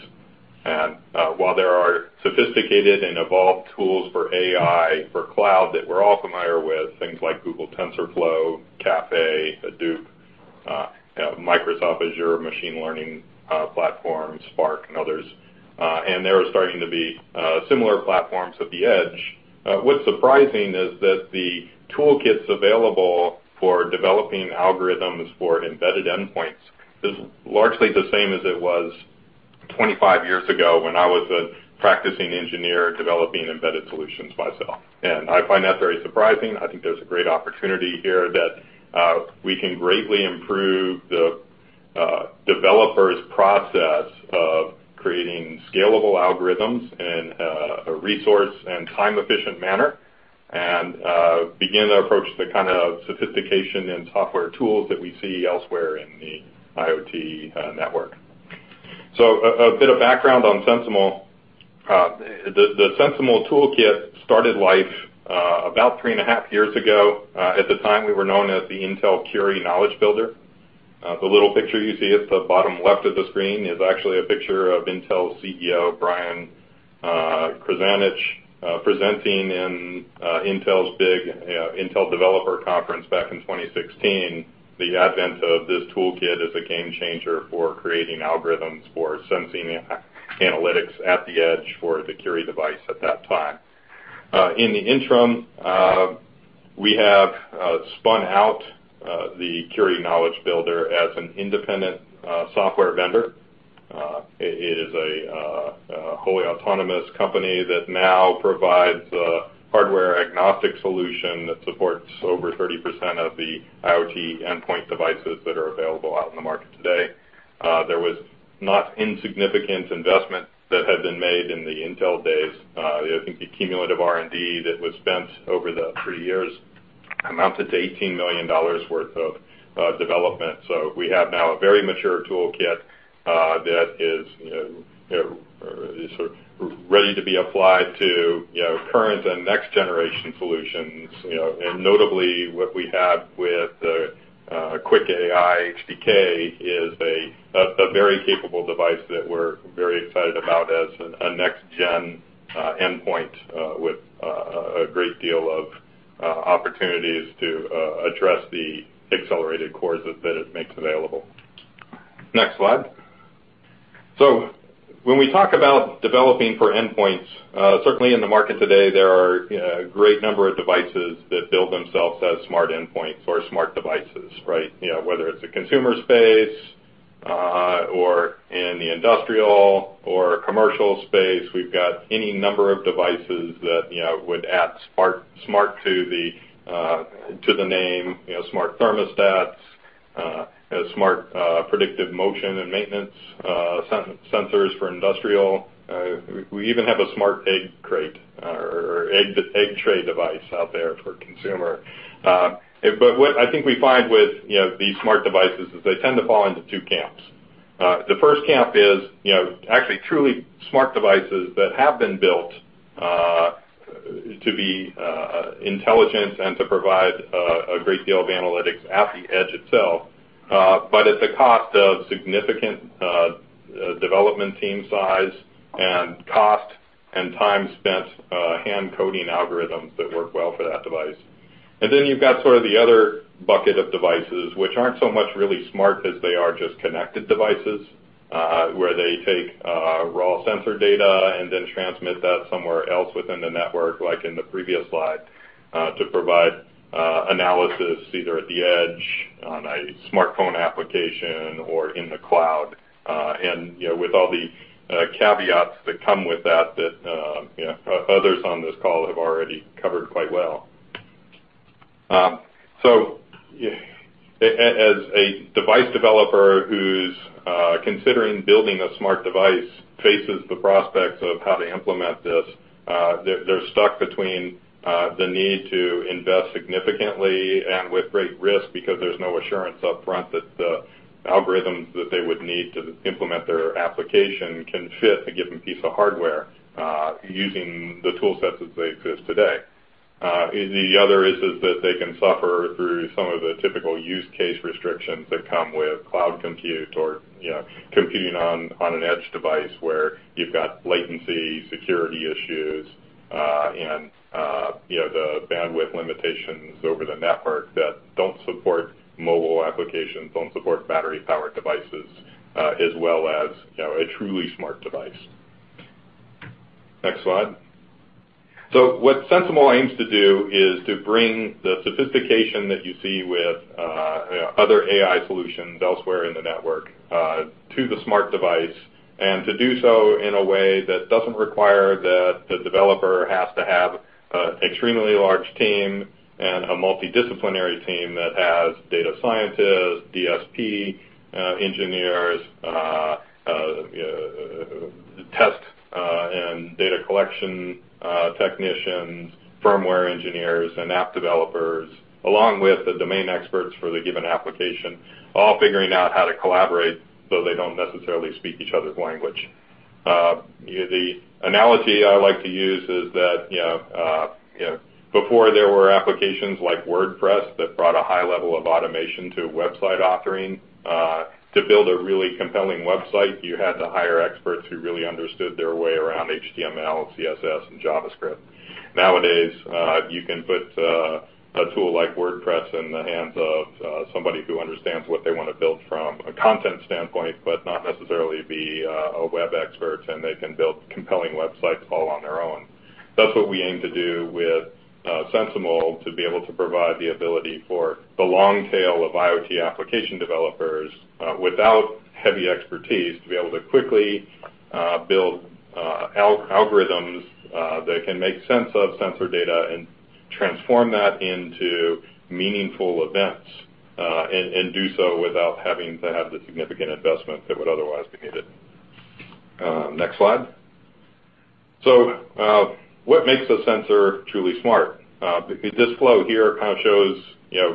While there are sophisticated and evolved tools for AI, for cloud that we're all familiar with, things like Google TensorFlow, Caffe, Hadoop, Microsoft Azure machine learning platforms, Spark, and others. There are starting to be similar platforms at the edge. What's surprising is that the toolkits available for developing algorithms for embedded endpoints is largely the same as it was 25 years ago when I was a practicing engineer developing embedded solutions myself. I find that very surprising. I think there's a great opportunity here that we can greatly improve the developers' process of creating scalable algorithms in a resource and time-efficient manner, begin to approach the kind of sophistication in software tools that we see elsewhere in the Internet of Things network. A bit of background on SensiML. The SensiML toolkit started life about three and a half years ago. At the time, we were known as the Intel Curie Knowledge Builder. The little picture you see at the bottom left of the screen is actually a picture of Intel CEO, Brian Krzanich, presenting in Intel's big Intel Developer Forum back in 2016, the advent of this toolkit as a game changer for creating algorithms for sensing analytics at the edge for the Intel Curie device at that time. In the interim, we have spun out the Intel Curie Knowledge Builder as an independent software vendor. It is a wholly autonomous company that now provides a hardware-agnostic solution that supports over 30% of the Internet of Things endpoint devices that are available out in the market today. There was not insignificant investment that had been made in the Intel days. I think the cumulative R&D that was spent over the three years amounted to $18 million worth of development. We have now a very mature toolkit that is ready to be applied to current and next-generation solutions. Notably, what we have with the QuickAI HDK is a very capable device that we're very excited about as a next-gen endpoint with a great deal of opportunities to address the accelerated cores that it makes available. Next slide. When we talk about developing for endpoints, certainly in the market today, there are a great number of devices that bill themselves as smart endpoints or smart devices, right? Whether it's a consumer space, or in the industrial or commercial space, we've got any number of devices that would add smart to the name, smart thermostats, smart predictive motion and maintenance, sensors for industrial. We even have a smart egg crate or egg tray device out there for consumer. What I think we find with these smart devices is they tend to fall into two camps. The first camp is actually truly smart devices that have been built to be intelligent and to provide a great deal of analytics at the edge itself, but at the cost of significant development team size and cost and time spent hand-coding algorithms that work well for that device. Then you've got sort of the other bucket of devices which aren't so much really smart as they are just connected devices, where they take raw sensor data and then transmit that somewhere else within the network, like in the previous slide, to provide analysis either at the edge, on a smartphone application, or in the cloud. With all the caveats that come with that others on this call have already covered quite well. As a device developer who's considering building a smart device faces the prospects of how to implement this, they're stuck between the need to invest significantly and with great risk because there's no assurance upfront that the algorithms that they would need to implement their application can fit a given piece of hardware using the tool sets as they exist today. The other is that they can suffer through some of the typical use case restrictions that come with cloud compute or computing on an edge device where you've got latency, security issues, and the bandwidth limitations over the network that don't support mobile applications, don't support battery-powered devices, as well as a truly smart device. Next slide. What SensiML aims to do is to bring the sophistication that you see with other AI solutions elsewhere in the network to the smart device, and to do so in a way that doesn't require that the developer has to have an extremely large team and a multidisciplinary team that has data scientists, DSP engineers, test and data collection technicians, firmware engineers, and app developers, along with the domain experts for the given application, all figuring out how to collaborate, though they don't necessarily speak each other's language. The analogy I like to use is that before there were applications like WordPress that brought a high level of automation to website authoring. To build a really compelling website, you had to hire experts who really understood their way around HTML, CSS, and JavaScript. Nowadays, you can put a tool like WordPress in the hands of somebody who understands what they want to build from a content standpoint, but not necessarily be a web expert, and they can build compelling websites all on their own. That's what we aim to do with SensiML, to be able to provide the ability for the long tail of IoT application developers, without heavy expertise, to be able to quickly build algorithms that can make sense of sensor data and transform that into meaningful events, and do so without having to have the significant investment that would otherwise be needed. Next slide. What makes a sensor truly smart? This flow here kind of shows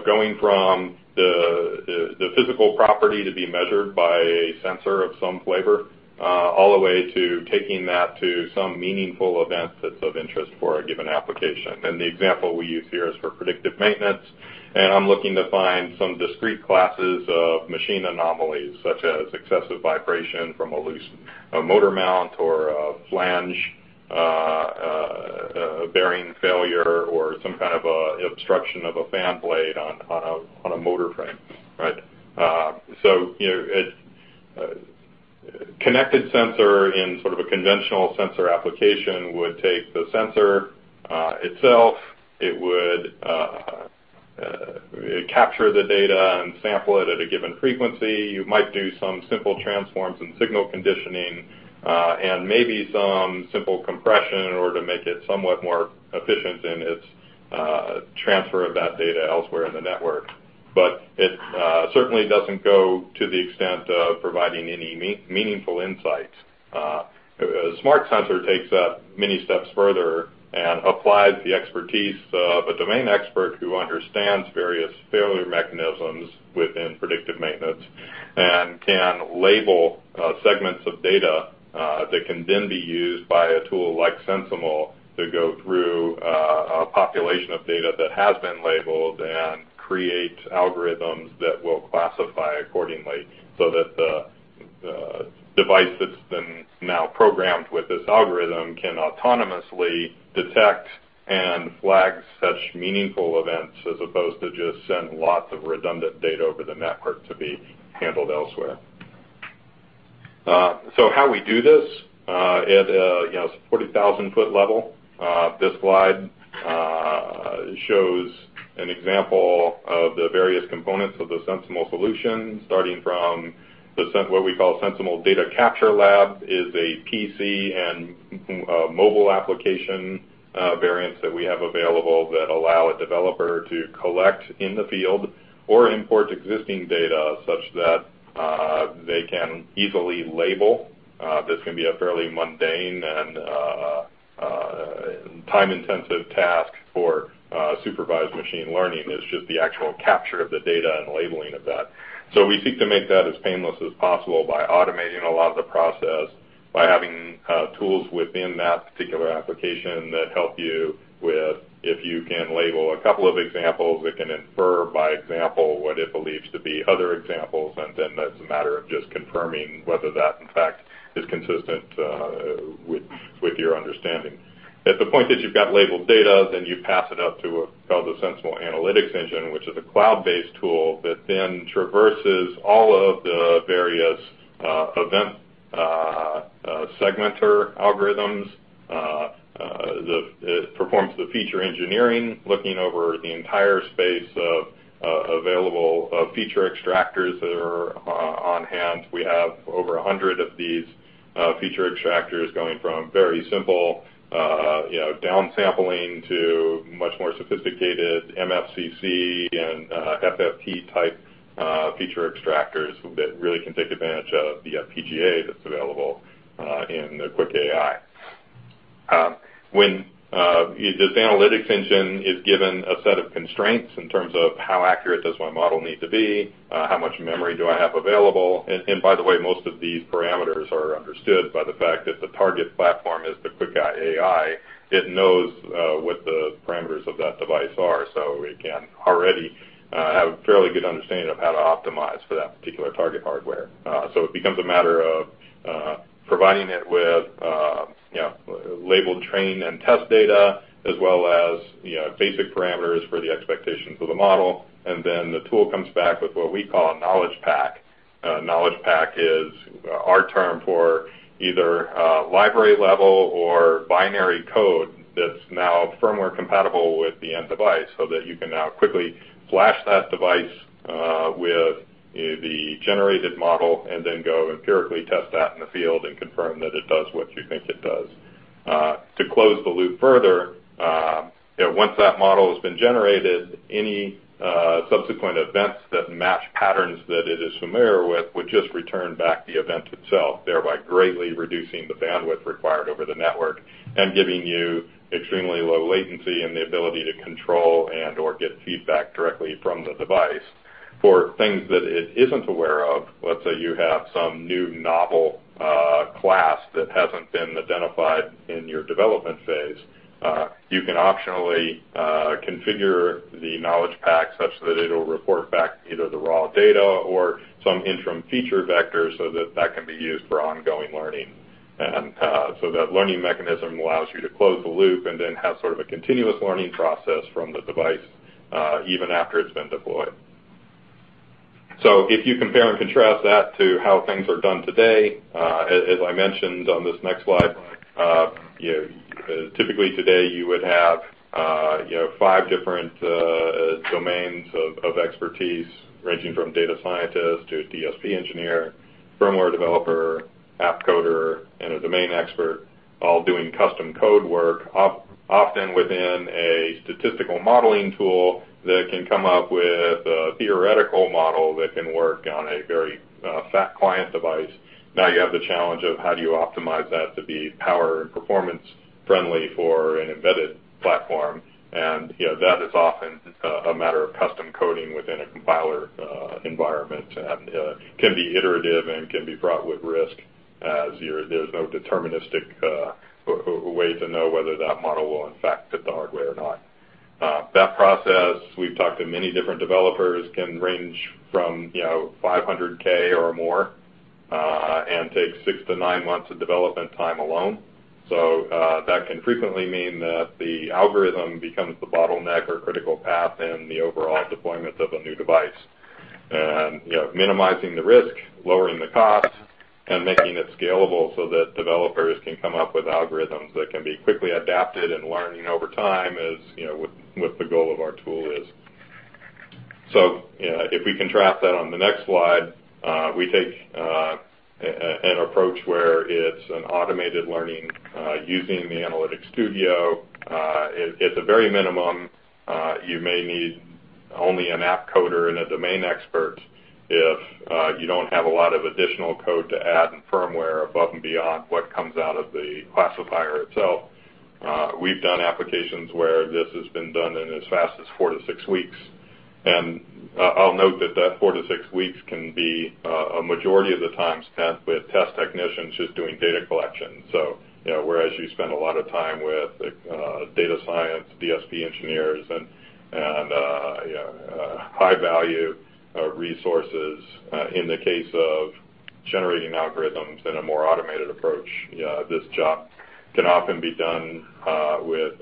going from the physical property to be measured by a sensor of some flavor, all the way to taking that to some meaningful event that's of interest for a given application. The example we use here is for predictive maintenance, and I'm looking to find some discrete classes of machine anomalies, such as excessive vibration from a loose motor mount or a flange bearing failure, or some kind of a obstruction of a fan blade on a motor frame. Right? A connected sensor in sort of a conventional sensor application would take the sensor itself. It would capture the data and sample it at a given frequency. You might do some simple transforms and signal conditioning, and maybe some simple compression in order to make it somewhat more efficient in its transfer of that data elsewhere in the network. It certainly doesn't go to the extent of providing any meaningful insights. A smart sensor takes that many steps further and applies the expertise of a domain expert who understands various failure mechanisms within predictive maintenance, and can label segments of data that can then be used by a tool like SensiML to go through a population of data that has been labeled and create algorithms that will classify accordingly, so that the device that's been now programmed with this algorithm can autonomously detect and flag such meaningful events, as opposed to just send lots of redundant data over the network to be handled elsewhere. How we do this at a 40,000-foot level? This slide shows an example of the various components of the SensiML solution, starting from what we call SensiML Data Capture Lab, is a PC and mobile application variants that we have available that allow a developer to collect in the field or import existing data such that they can easily label. This can be a fairly mundane and time-intensive task for supervised machine learning, is just the actual capture of the data and labeling of that. We seek to make that as painless as possible by automating a lot of the process by having tools within that particular application that help you with, if you can label a couple of examples, it can infer by example what it believes to be other examples, and then that's a matter of just confirming whether that, in fact, is consistent with your understanding. At the point that you've got labeled data, then you pass it up to what's called the SensiML Analytics Engine, which is a cloud-based tool that then traverses all of the various event segmenter algorithms. It performs the feature engineering, looking over the entire space of available feature extractors that are on-hand. We have over 100 of these feature extractors going from very simple downsampling to much more sophisticated MFCC and FFT-type feature extractors that really can take advantage of the FPGA that's available in the QuickAI. When this analytics engine is given a set of constraints in terms of how accurate does my model need to be, how much memory do I have available, and by the way, most of these parameters are understood by the fact that the target platform is the QuickAI. It knows what the parameters of that device are, it can already have a fairly good understanding of how to optimize for that particular target hardware. It becomes a matter of providing it with labeled train and test data, as well as basic parameters for the expectations of the model, and then the tool comes back with what we call a knowledge pack. A knowledge pack is our term for either a library level or binary code that's now firmware compatible with the end device so that you can now quickly flash that device with the generated model and then go empirically test that in the field and confirm that it does what you think it does. To close the loop further, once that model has been generated, any subsequent events that match patterns that it is familiar with would just return back the event itself, thereby greatly reducing the bandwidth required over the network and giving you extremely low latency and the ability to control and/or get feedback directly from the device. For things that it isn't aware of, let's say you have some new novel class that hasn't been identified in your development phase, you can optionally configure the knowledge pack such that it'll report back either the raw data or some interim feature vectors so that that can be used for ongoing learning. That learning mechanism allows you to close the loop and then have sort of a continuous learning process from the device, even after it's been deployed. If you compare and contrast that to how things are done today, as I mentioned on this next slide, typically today you would have five different domains of expertise ranging from data scientist to DSP engineer, firmware developer, app coder, and a domain expert, all doing custom code work, often within a statistical modeling tool that can come up with a theoretical model that can work on a very fat client device. Now you have the challenge of how do you optimize that to be power and performance friendly for an embedded platform? That is often a matter of custom coding within a compiler environment, and can be iterative and can be fraught with risk, as there's no deterministic way to know whether that model will in fact fit the hardware or not. That process, we've talked to many different developers, can range from $500K or more, and takes six to nine months of development time alone. That can frequently mean that the algorithm becomes the bottleneck or critical path in the overall deployment of a new device. Minimizing the risk, lowering the cost, and making it scalable so that developers can come up with algorithms that can be quickly adapted and learning over time is what the goal of our tool is. If we can track that on the next slide, we take an approach where it's an automated learning using the Analytics Studio. At the very minimum, you may need only an app coder and a domain expert if you don't have a lot of additional code to add and firmware above and beyond what comes out of the classifier itself. We've done applications where this has been done in as fast as four to six weeks. I'll note that that four to six weeks can be a majority of the time spent with test technicians just doing data collection. Whereas you spend a lot of time with data science, DSP engineers, and high-value resources in the case of generating algorithms in a more automated approach, this job can often be done with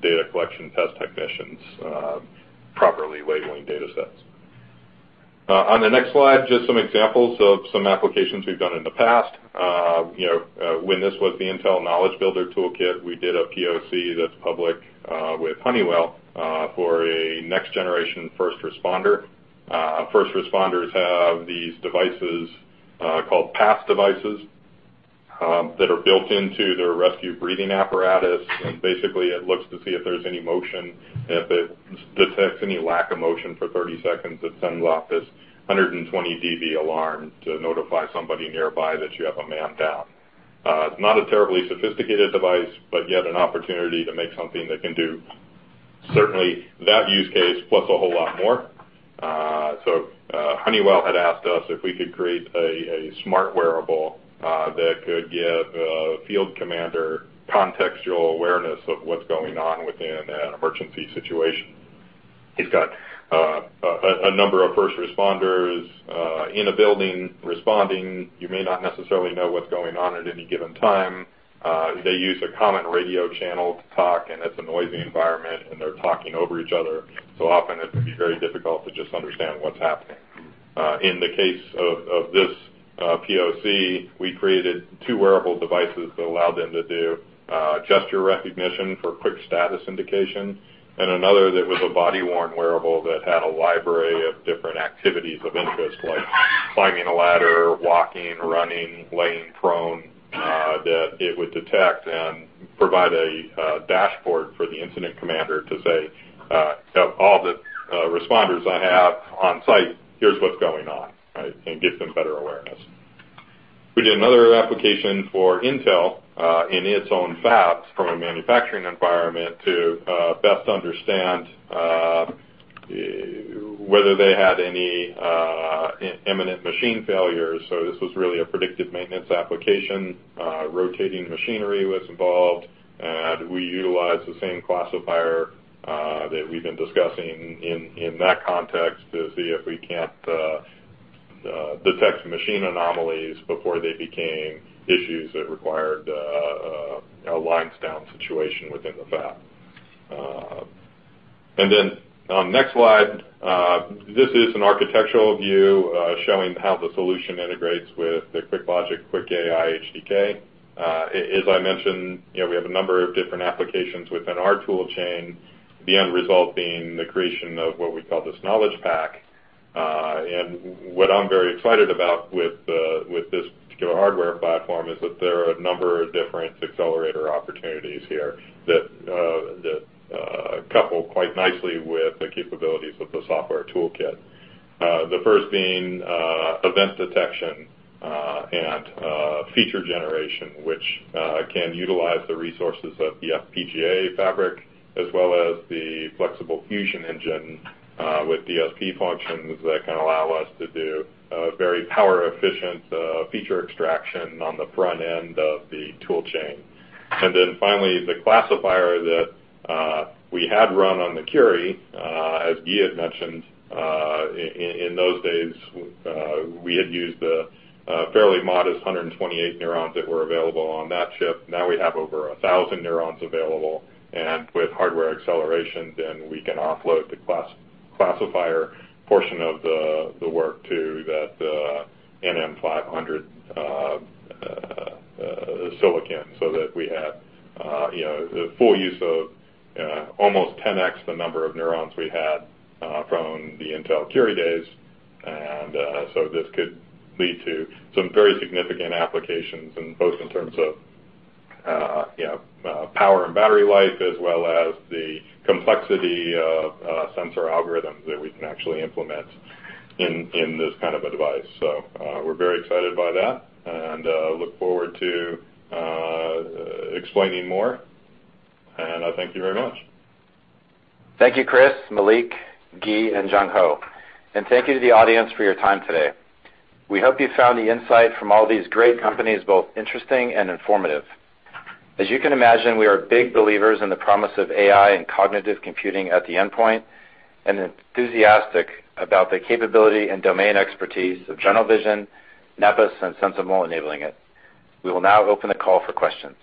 data collection test technicians properly labeling data sets. On the next slide, just some examples of some applications we've done in the past. When this was the Intel Knowledge Builder Toolkit, we did a POC that's public with Honeywell for a next-generation first responder. First responders have these devices called PASS devices that are built into their rescue breathing apparatus. Basically, it looks to see if there's any motion, and if it detects any lack of motion for 30 seconds, it sends off this 120 dB alarm to notify somebody nearby that you have a man down. It's not a terribly sophisticated device, but yet an opportunity to make something that can do certainly that use case plus a whole lot more. Honeywell had asked us if we could create a smart wearable that could give a field commander contextual awareness of what's going on within an emergency situation. He's got a number of first responders in a building responding. You may not necessarily know what's going on at any given time. They use a common radio channel to talk, and it's a noisy environment, and they're talking over each other. Often it can be very difficult to just understand what's happening. In the case of this POC, we created two wearable devices that allowed them to do gesture recognition for quick status indication, and another that was a body-worn wearable that had a library of different activities of interest, like climbing a ladder, walking, running, laying prone that it would detect and provide a dashboard for the incident commander to say, "Of all the responders I have on-site, here's what's going on," right? Give them better awareness. We did another application for Intel in its own fabs from a manufacturing environment to best understand whether they had any imminent machine failures. This was really a predictive maintenance application. Rotating machinery was involved. We utilized the same classifier that we've been discussing in that context to see if we can't detect machine anomalies before they became issues that required a lines down situation within the fab. Then, next slide. This is an architectural view showing how the solution integrates with the QuickLogic QuickAI SDK. As I mentioned, we have a number of different applications within our tool chain, the end result being the creation of what we call this knowledge pack. What I'm very excited about with this particular hardware platform is that there are a number of different accelerator opportunities here that couple quite nicely with the capabilities of the software toolkit. The first being event detection and feature generation, which can utilize the resources of the FPGA fabric as well as the Flexible Fusion Engine with DSP functions that can allow us to do very power-efficient feature extraction on the front end of the tool chain. Finally, the classifier that we had run on the Curie as Guy had mentioned in those days, we had used a fairly modest 128 neurons that were available on that chip. Now we have over 1,000 neurons available, and with hardware acceleration, then we can offload the classifier portion of the work to that NM500 silicon so that we have the full use of almost 10x the number of neurons we had from the Intel Curie days. This could lead to some very significant applications both in terms of power and battery life, as well as the complexity of sensor algorithms that we can actually implement in this kind of a device. We're very excited by that and look forward to explaining more, I thank you very much. Thank you, Chris, Malik, Guy, and Jungho. Thank you to the audience for your time today. We hope you found the insight from all these great companies both interesting and informative. As you can imagine, we are big believers in the promise of AI and cognitive computing at the endpoint and enthusiastic about the capability and domain expertise of General Vision, Nepes, and SensiML enabling it. We will now open the call for questions.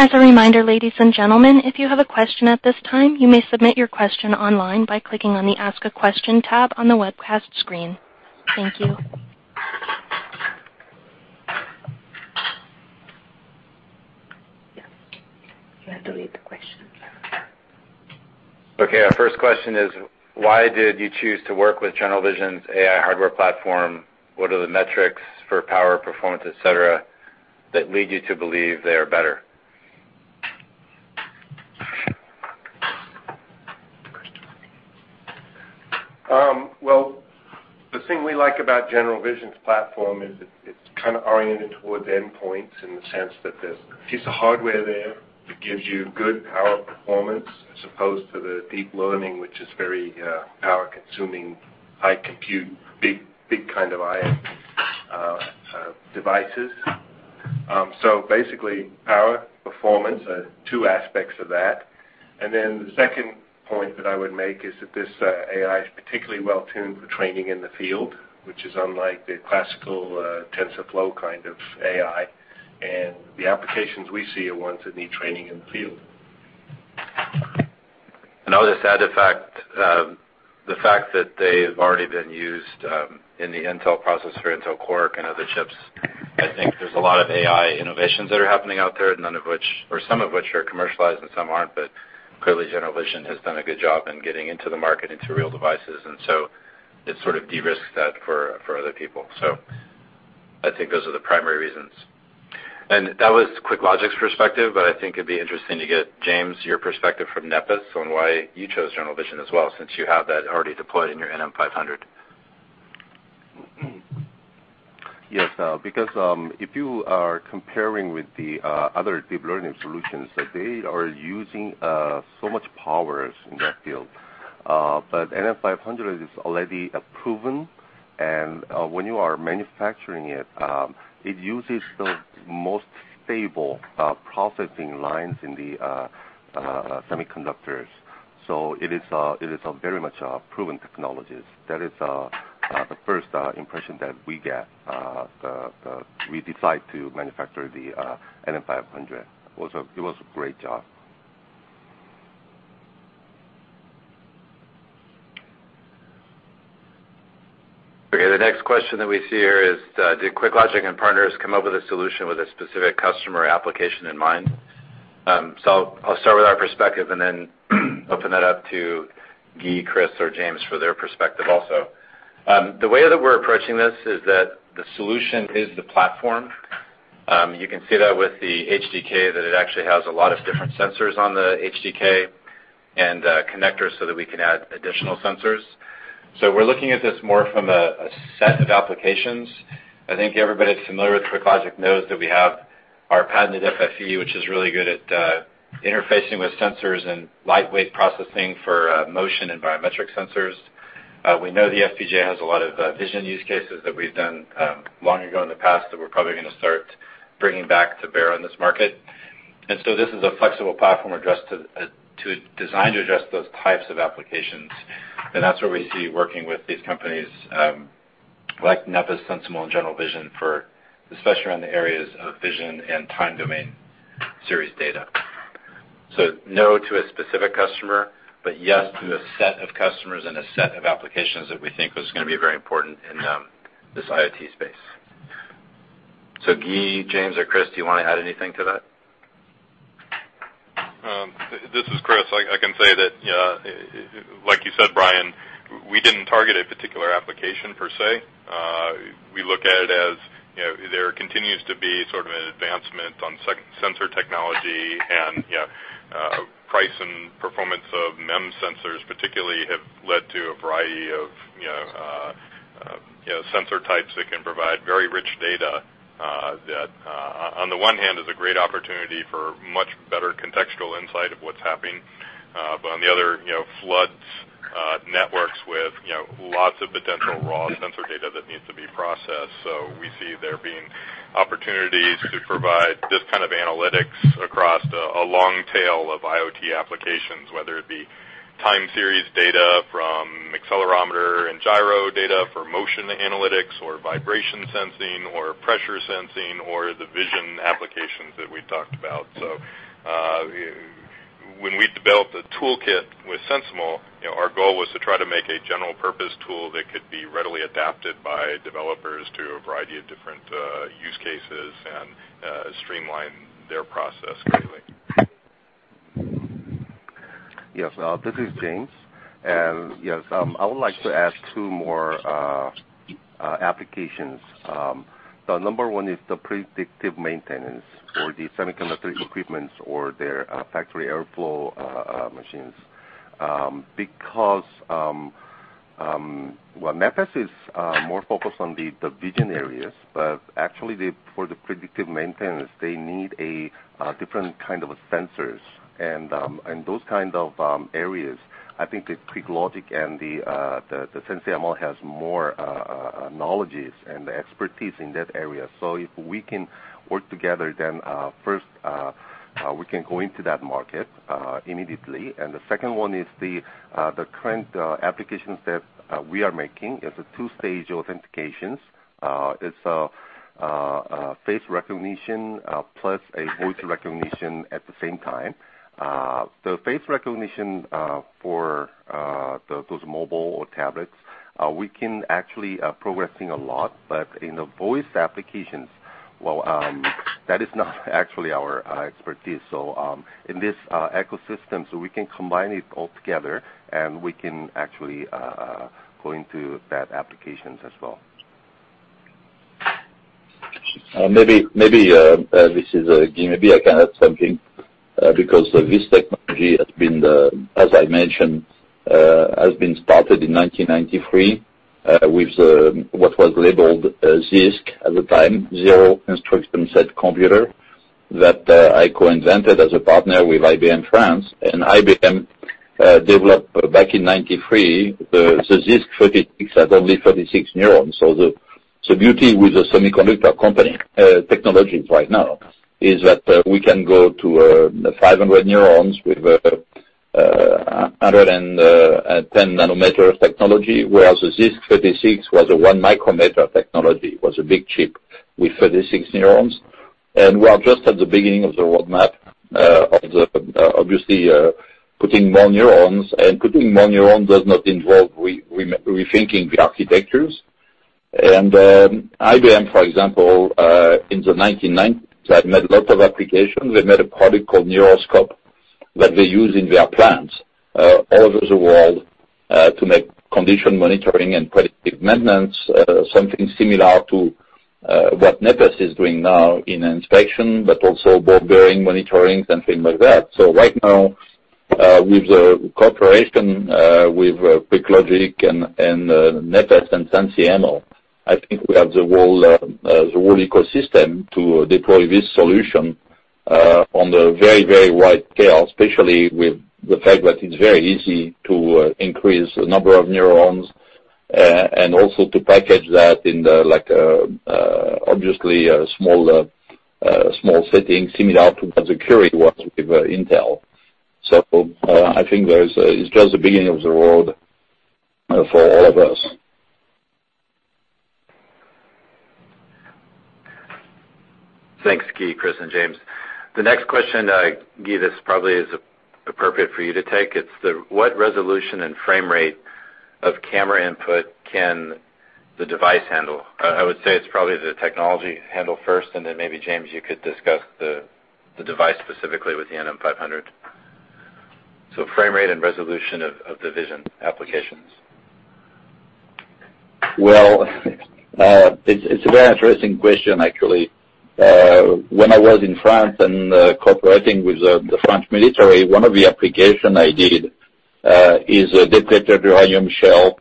As a reminder, ladies and gentlemen, if you have a question at this time, you may submit your question online by clicking on the Ask a Question tab on the webcast screen. Thank you. Yeah. You have to read the question. Okay. Our first question is why did you choose to work with General Vision's AI hardware platform? What are the metrics for power, performance, et cetera, that lead you to believe they are better? The thing we like about General Vision's platform is it's oriented towards endpoints in the sense that there's a piece of hardware there that gives you good power performance as opposed to the deep learning, which is very power-consuming, high compute, big IoT devices. Basically, power, performance, two aspects of that. The second point that I would make is that this AI is particularly well-tuned for training in the field, which is unlike the classical TensorFlow kind of AI. The applications we see are ones that need training in the field. Another side effect, the fact that they've already been used in the Intel processor, Intel Quark and other chips. I think there's a lot of AI innovations that are happening out there, none of which or some of which are commercialized and some aren't, but clearly General Vision has done a good job in getting into the market, into real devices, it sort of de-risks that for other people. I think those are the primary reasons. That was QuickLogic's perspective, but I think it'd be interesting to get, James, your perspective from Nepes on why you chose General Vision as well, since you have that already deployed in your NM500. Yes. If you are comparing with the other deep learning solutions, they are using so much power in that field. NM500 is already proven, and when you are manufacturing it uses the most stable processing lines in the semiconductors. It is a very much proven technology. That is the first impression that we get, we decide to manufacture the NM500. It was a great job. Okay. The next question that we see here is did QuickLogic and partners come up with a solution with a specific customer application in mind? I'll start with our perspective and then open that up to Guy, Chris, or James for their perspective also. The way that we're approaching this is that the solution is the platform. You can see that with the HDK, that it actually has a lot of different sensors on the HDK and connectors that we can add additional sensors. We're looking at this more from a set of applications. I think everybody that's familiar with QuickLogic knows that we have our patented FFE, which is really good at interfacing with sensors and lightweight processing for motion and biometric sensors. We know the FPGA has a lot of vision use cases that we've done long ago in the past that we're probably going to start bringing back to bear on this market. This is a flexible platform designed to address those types of applications, and that's where we see working with these companies like Nepes, SensiML, and General Vision, especially around the areas of vision and time domain series data. No to a specific customer, but yes to a set of customers and a set of applications that we think is going to be very important in this IoT space. Guy, James, or Chris, do you want to add anything to that? This is Chris. I can say that like you said, Brian, we didn't target a particular application per se. We look at it as there continues to be sort of an advancement on sensor technology and price and performance of MEMS sensors particularly have led to a variety of sensor types that can provide very rich data that on the one hand is a great opportunity for much better contextual insight of what's happening, but on the other, floods networks with lots of potential raw sensor data that needs to be processed. We see there being opportunities to provide this kind of analytics across a long tail of IoT applications, whether it be time series data from accelerometer and gyro data for motion analytics or vibration sensing or pressure sensing or the vision applications that we talked about. When we developed a toolkit with SensiML, our goal was to try to make a general-purpose tool that could be readily adapted by developers to a variety of different use cases and streamline their process greatly. Yes. This is James. Yes, I would like to add 2 more applications. The number 1 is the predictive maintenance for the semiconductor equipments or their factory airflow machines. Because while Nepes is more focused on the vision areas, but actually for the predictive maintenance, they need a different kind of sensors. Those kind of areas, I think that QuickLogic and the SensiML has more knowledge and expertise in that area. If we can work together, then first we can go into that market immediately, and the second one is the current applications that we are making as a 2-stage authentications. Face recognition plus voice recognition at the same time. The face recognition for those mobile or tablets, we can actually progressing a lot. In the voice applications, well, that is not actually our expertise. In this ecosystem, we can combine it all together, and we can actually go into that applications as well. Maybe, this is Guy Paillet. Maybe I can add something. This technology, as I mentioned, has been started in 1993 with what was labeled ZISC at the time, zero instruction set computer, that I co-invented as a partner with IBM France. IBM developed back in 1993, the ZISC36 had only 36 neurons. The beauty with the semiconductor company technologies right now is that we can go to 500 neurons with 110 nanometers technology, whereas the ZISC36 was a one micrometer technology. It was a big chip with 36 neurons. We are just at the beginning of the roadmap of the, obviously, putting more neurons. Putting more neurons does not involve rethinking the architectures. IBM, for example, in the 1990s had made a lot of applications. They made a product called Neuroscope that they use in their plants all over the world to make condition monitoring and predictive maintenance. Something similar to what Nepes is doing now in inspection, but also ball bearing monitoring, something like that. Right now with the cooperation with QuickLogic and Nepes and SensiML, I think we have the whole ecosystem to deploy this solution on the very wide scale, especially with the fact that it's very easy to increase the number of neurons, and also to package that in the obviously, a small setting similar to what the Intel Curie was with Intel. I think it's just the beginning of the road for all of us. Thanks, Guy Paillet, Chris, and James. The next question, Guy Paillet, this probably is appropriate for you to take. It's what resolution and frame rate of camera input can the device handle? I would say it's probably the technology handle first, and then maybe James, you could discuss the device specifically with the NM500. Frame rate and resolution of the vision applications. Well, it's a very interesting question, actually. When I was in France and cooperating with the French military, one of the applications I did is depleted uranium shell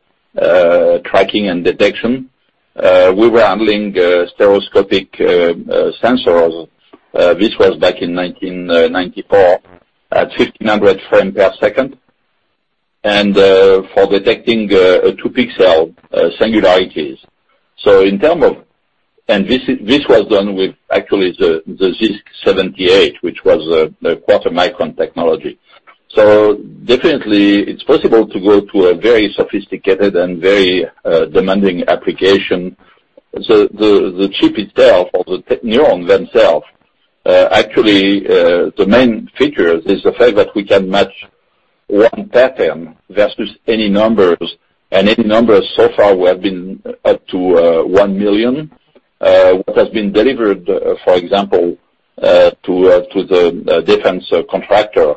tracking and detection. We were handling stereoscopic sensors. This was back in 1994 at 1,500 frames per second and for detecting two pixel singularities. This was done with actually the ZISC78, which was the quarter micron technology. Definitely it's possible to go to a very sophisticated and very demanding application. The chip itself or the neurons themselves, actually, the main features is the fact that we can match one pattern versus any numbers. Any numbers so far we have been up to 1 million. What has been delivered, for example, to the defense contractor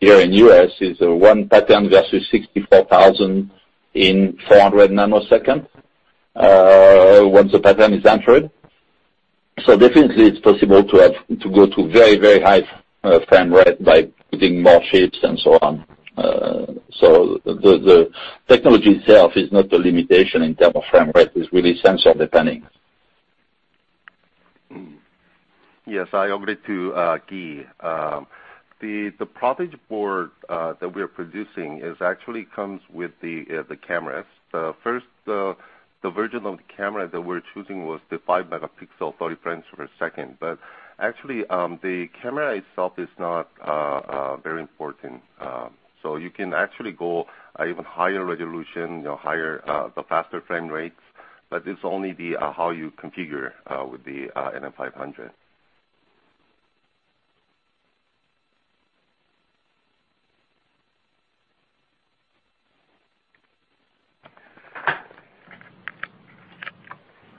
here in U.S. is one pattern versus 64,000 in 400 nanoseconds once the pattern is entered. Definitely it's possible to go to very high frame rate by putting more chips and so on. The technology itself is not the limitation in terms of frame rate, is really sensor-depending. Yes. I operate to Guy. The Prodigy board that we're producing is actually comes with the cameras. First, the version of the camera that we're choosing was the five megapixel 30 frames per second. Actually, the camera itself is not very important. You can actually go even higher resolution, higher the faster frame rates, but it's only how you configure with the NM500.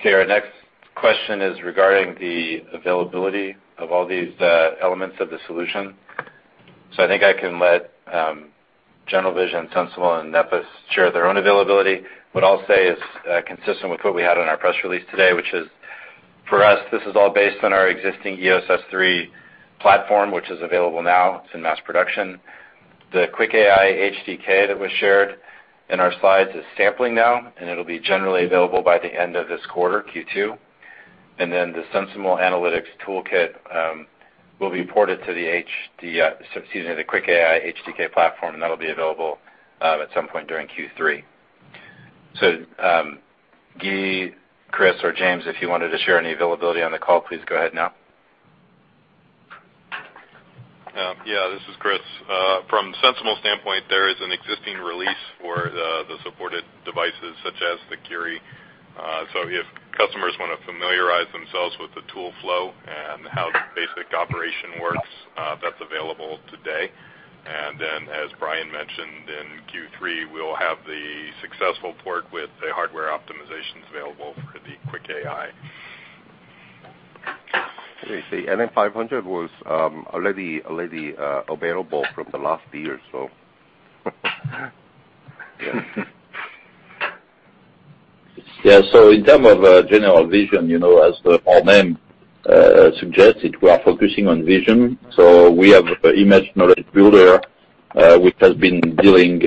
Okay, our next question is regarding the availability of all these elements of the solution. I think I can let General Vision, SensiML, and Nepes share their own availability. What I'll say is consistent with what we had on our press release today, which is for us, this is all based on our existing EOS S3 platform, which is available now. It's in mass production. The QuickAI HDK that was shared in our slides is sampling now, and it'll be generally available by the end of this quarter, Q2. The SensiML Analytics Toolkit will be ported to the excuse me, the QuickAI HDK platform, and that'll be available at some point during Q3. Guy, Chris, or James, if you wanted to share any availability on the call, please go ahead now. Yeah, this is Chris. From SensiML standpoint, there is an existing release for the supported devices such as the Curie. If customers want to familiarize themselves with the tool flow and how the basic operation works, that's available today. As Brian mentioned, in Q3, we'll have the successful port with the hardware optimizations available for the QuickAI. Let me see. NM500 was already available from the last year or so. Yeah. In terms of General Vision, as our name suggests it, we are focusing on vision. We have image knowledge builder, which has been dealing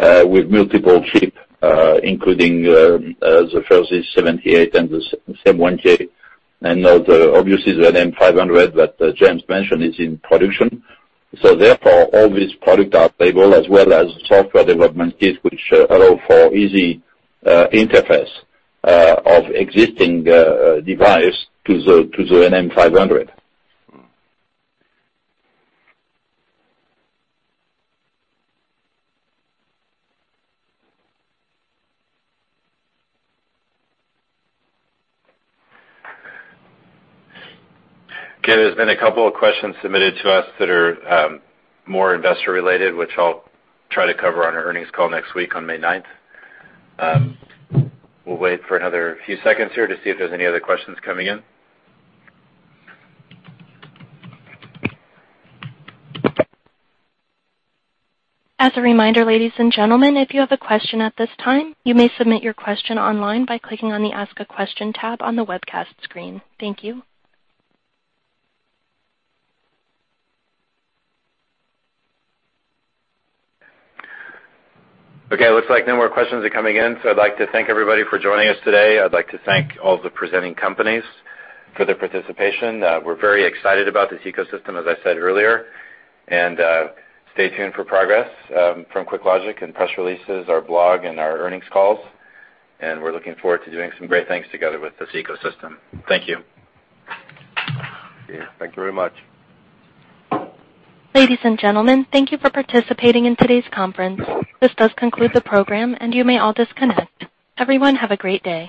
with multiple chips, including the Physis 78 and the CM1J and now the, obviously, the NM500 that James mentioned is in production. Therefore, all these products are available as well as software development kits, which allow for easy interface of existing device to the NM500. Okay. There's been a couple of questions submitted to us that are more investor related, which I'll try to cover on our earnings call next week on May 9th. We'll wait for another few seconds here to see if there's any other questions coming in. As a reminder, ladies and gentlemen, if you have a question at this time, you may submit your question online by clicking on the Ask a Question tab on the webcast screen. Thank you. Okay, looks like no more questions are coming in. I'd like to thank everybody for joining us today. I'd like to thank all the presenting companies for their participation. We're very excited about this ecosystem, as I said earlier, and stay tuned for progress from QuickLogic and press releases, our blog and our earnings calls, and we're looking forward to doing some great things together with this ecosystem. Thank you. Yeah. Thank you very much. Ladies and gentlemen, thank you for participating in today's conference. This does conclude the program, and you may all disconnect. Everyone have a great day.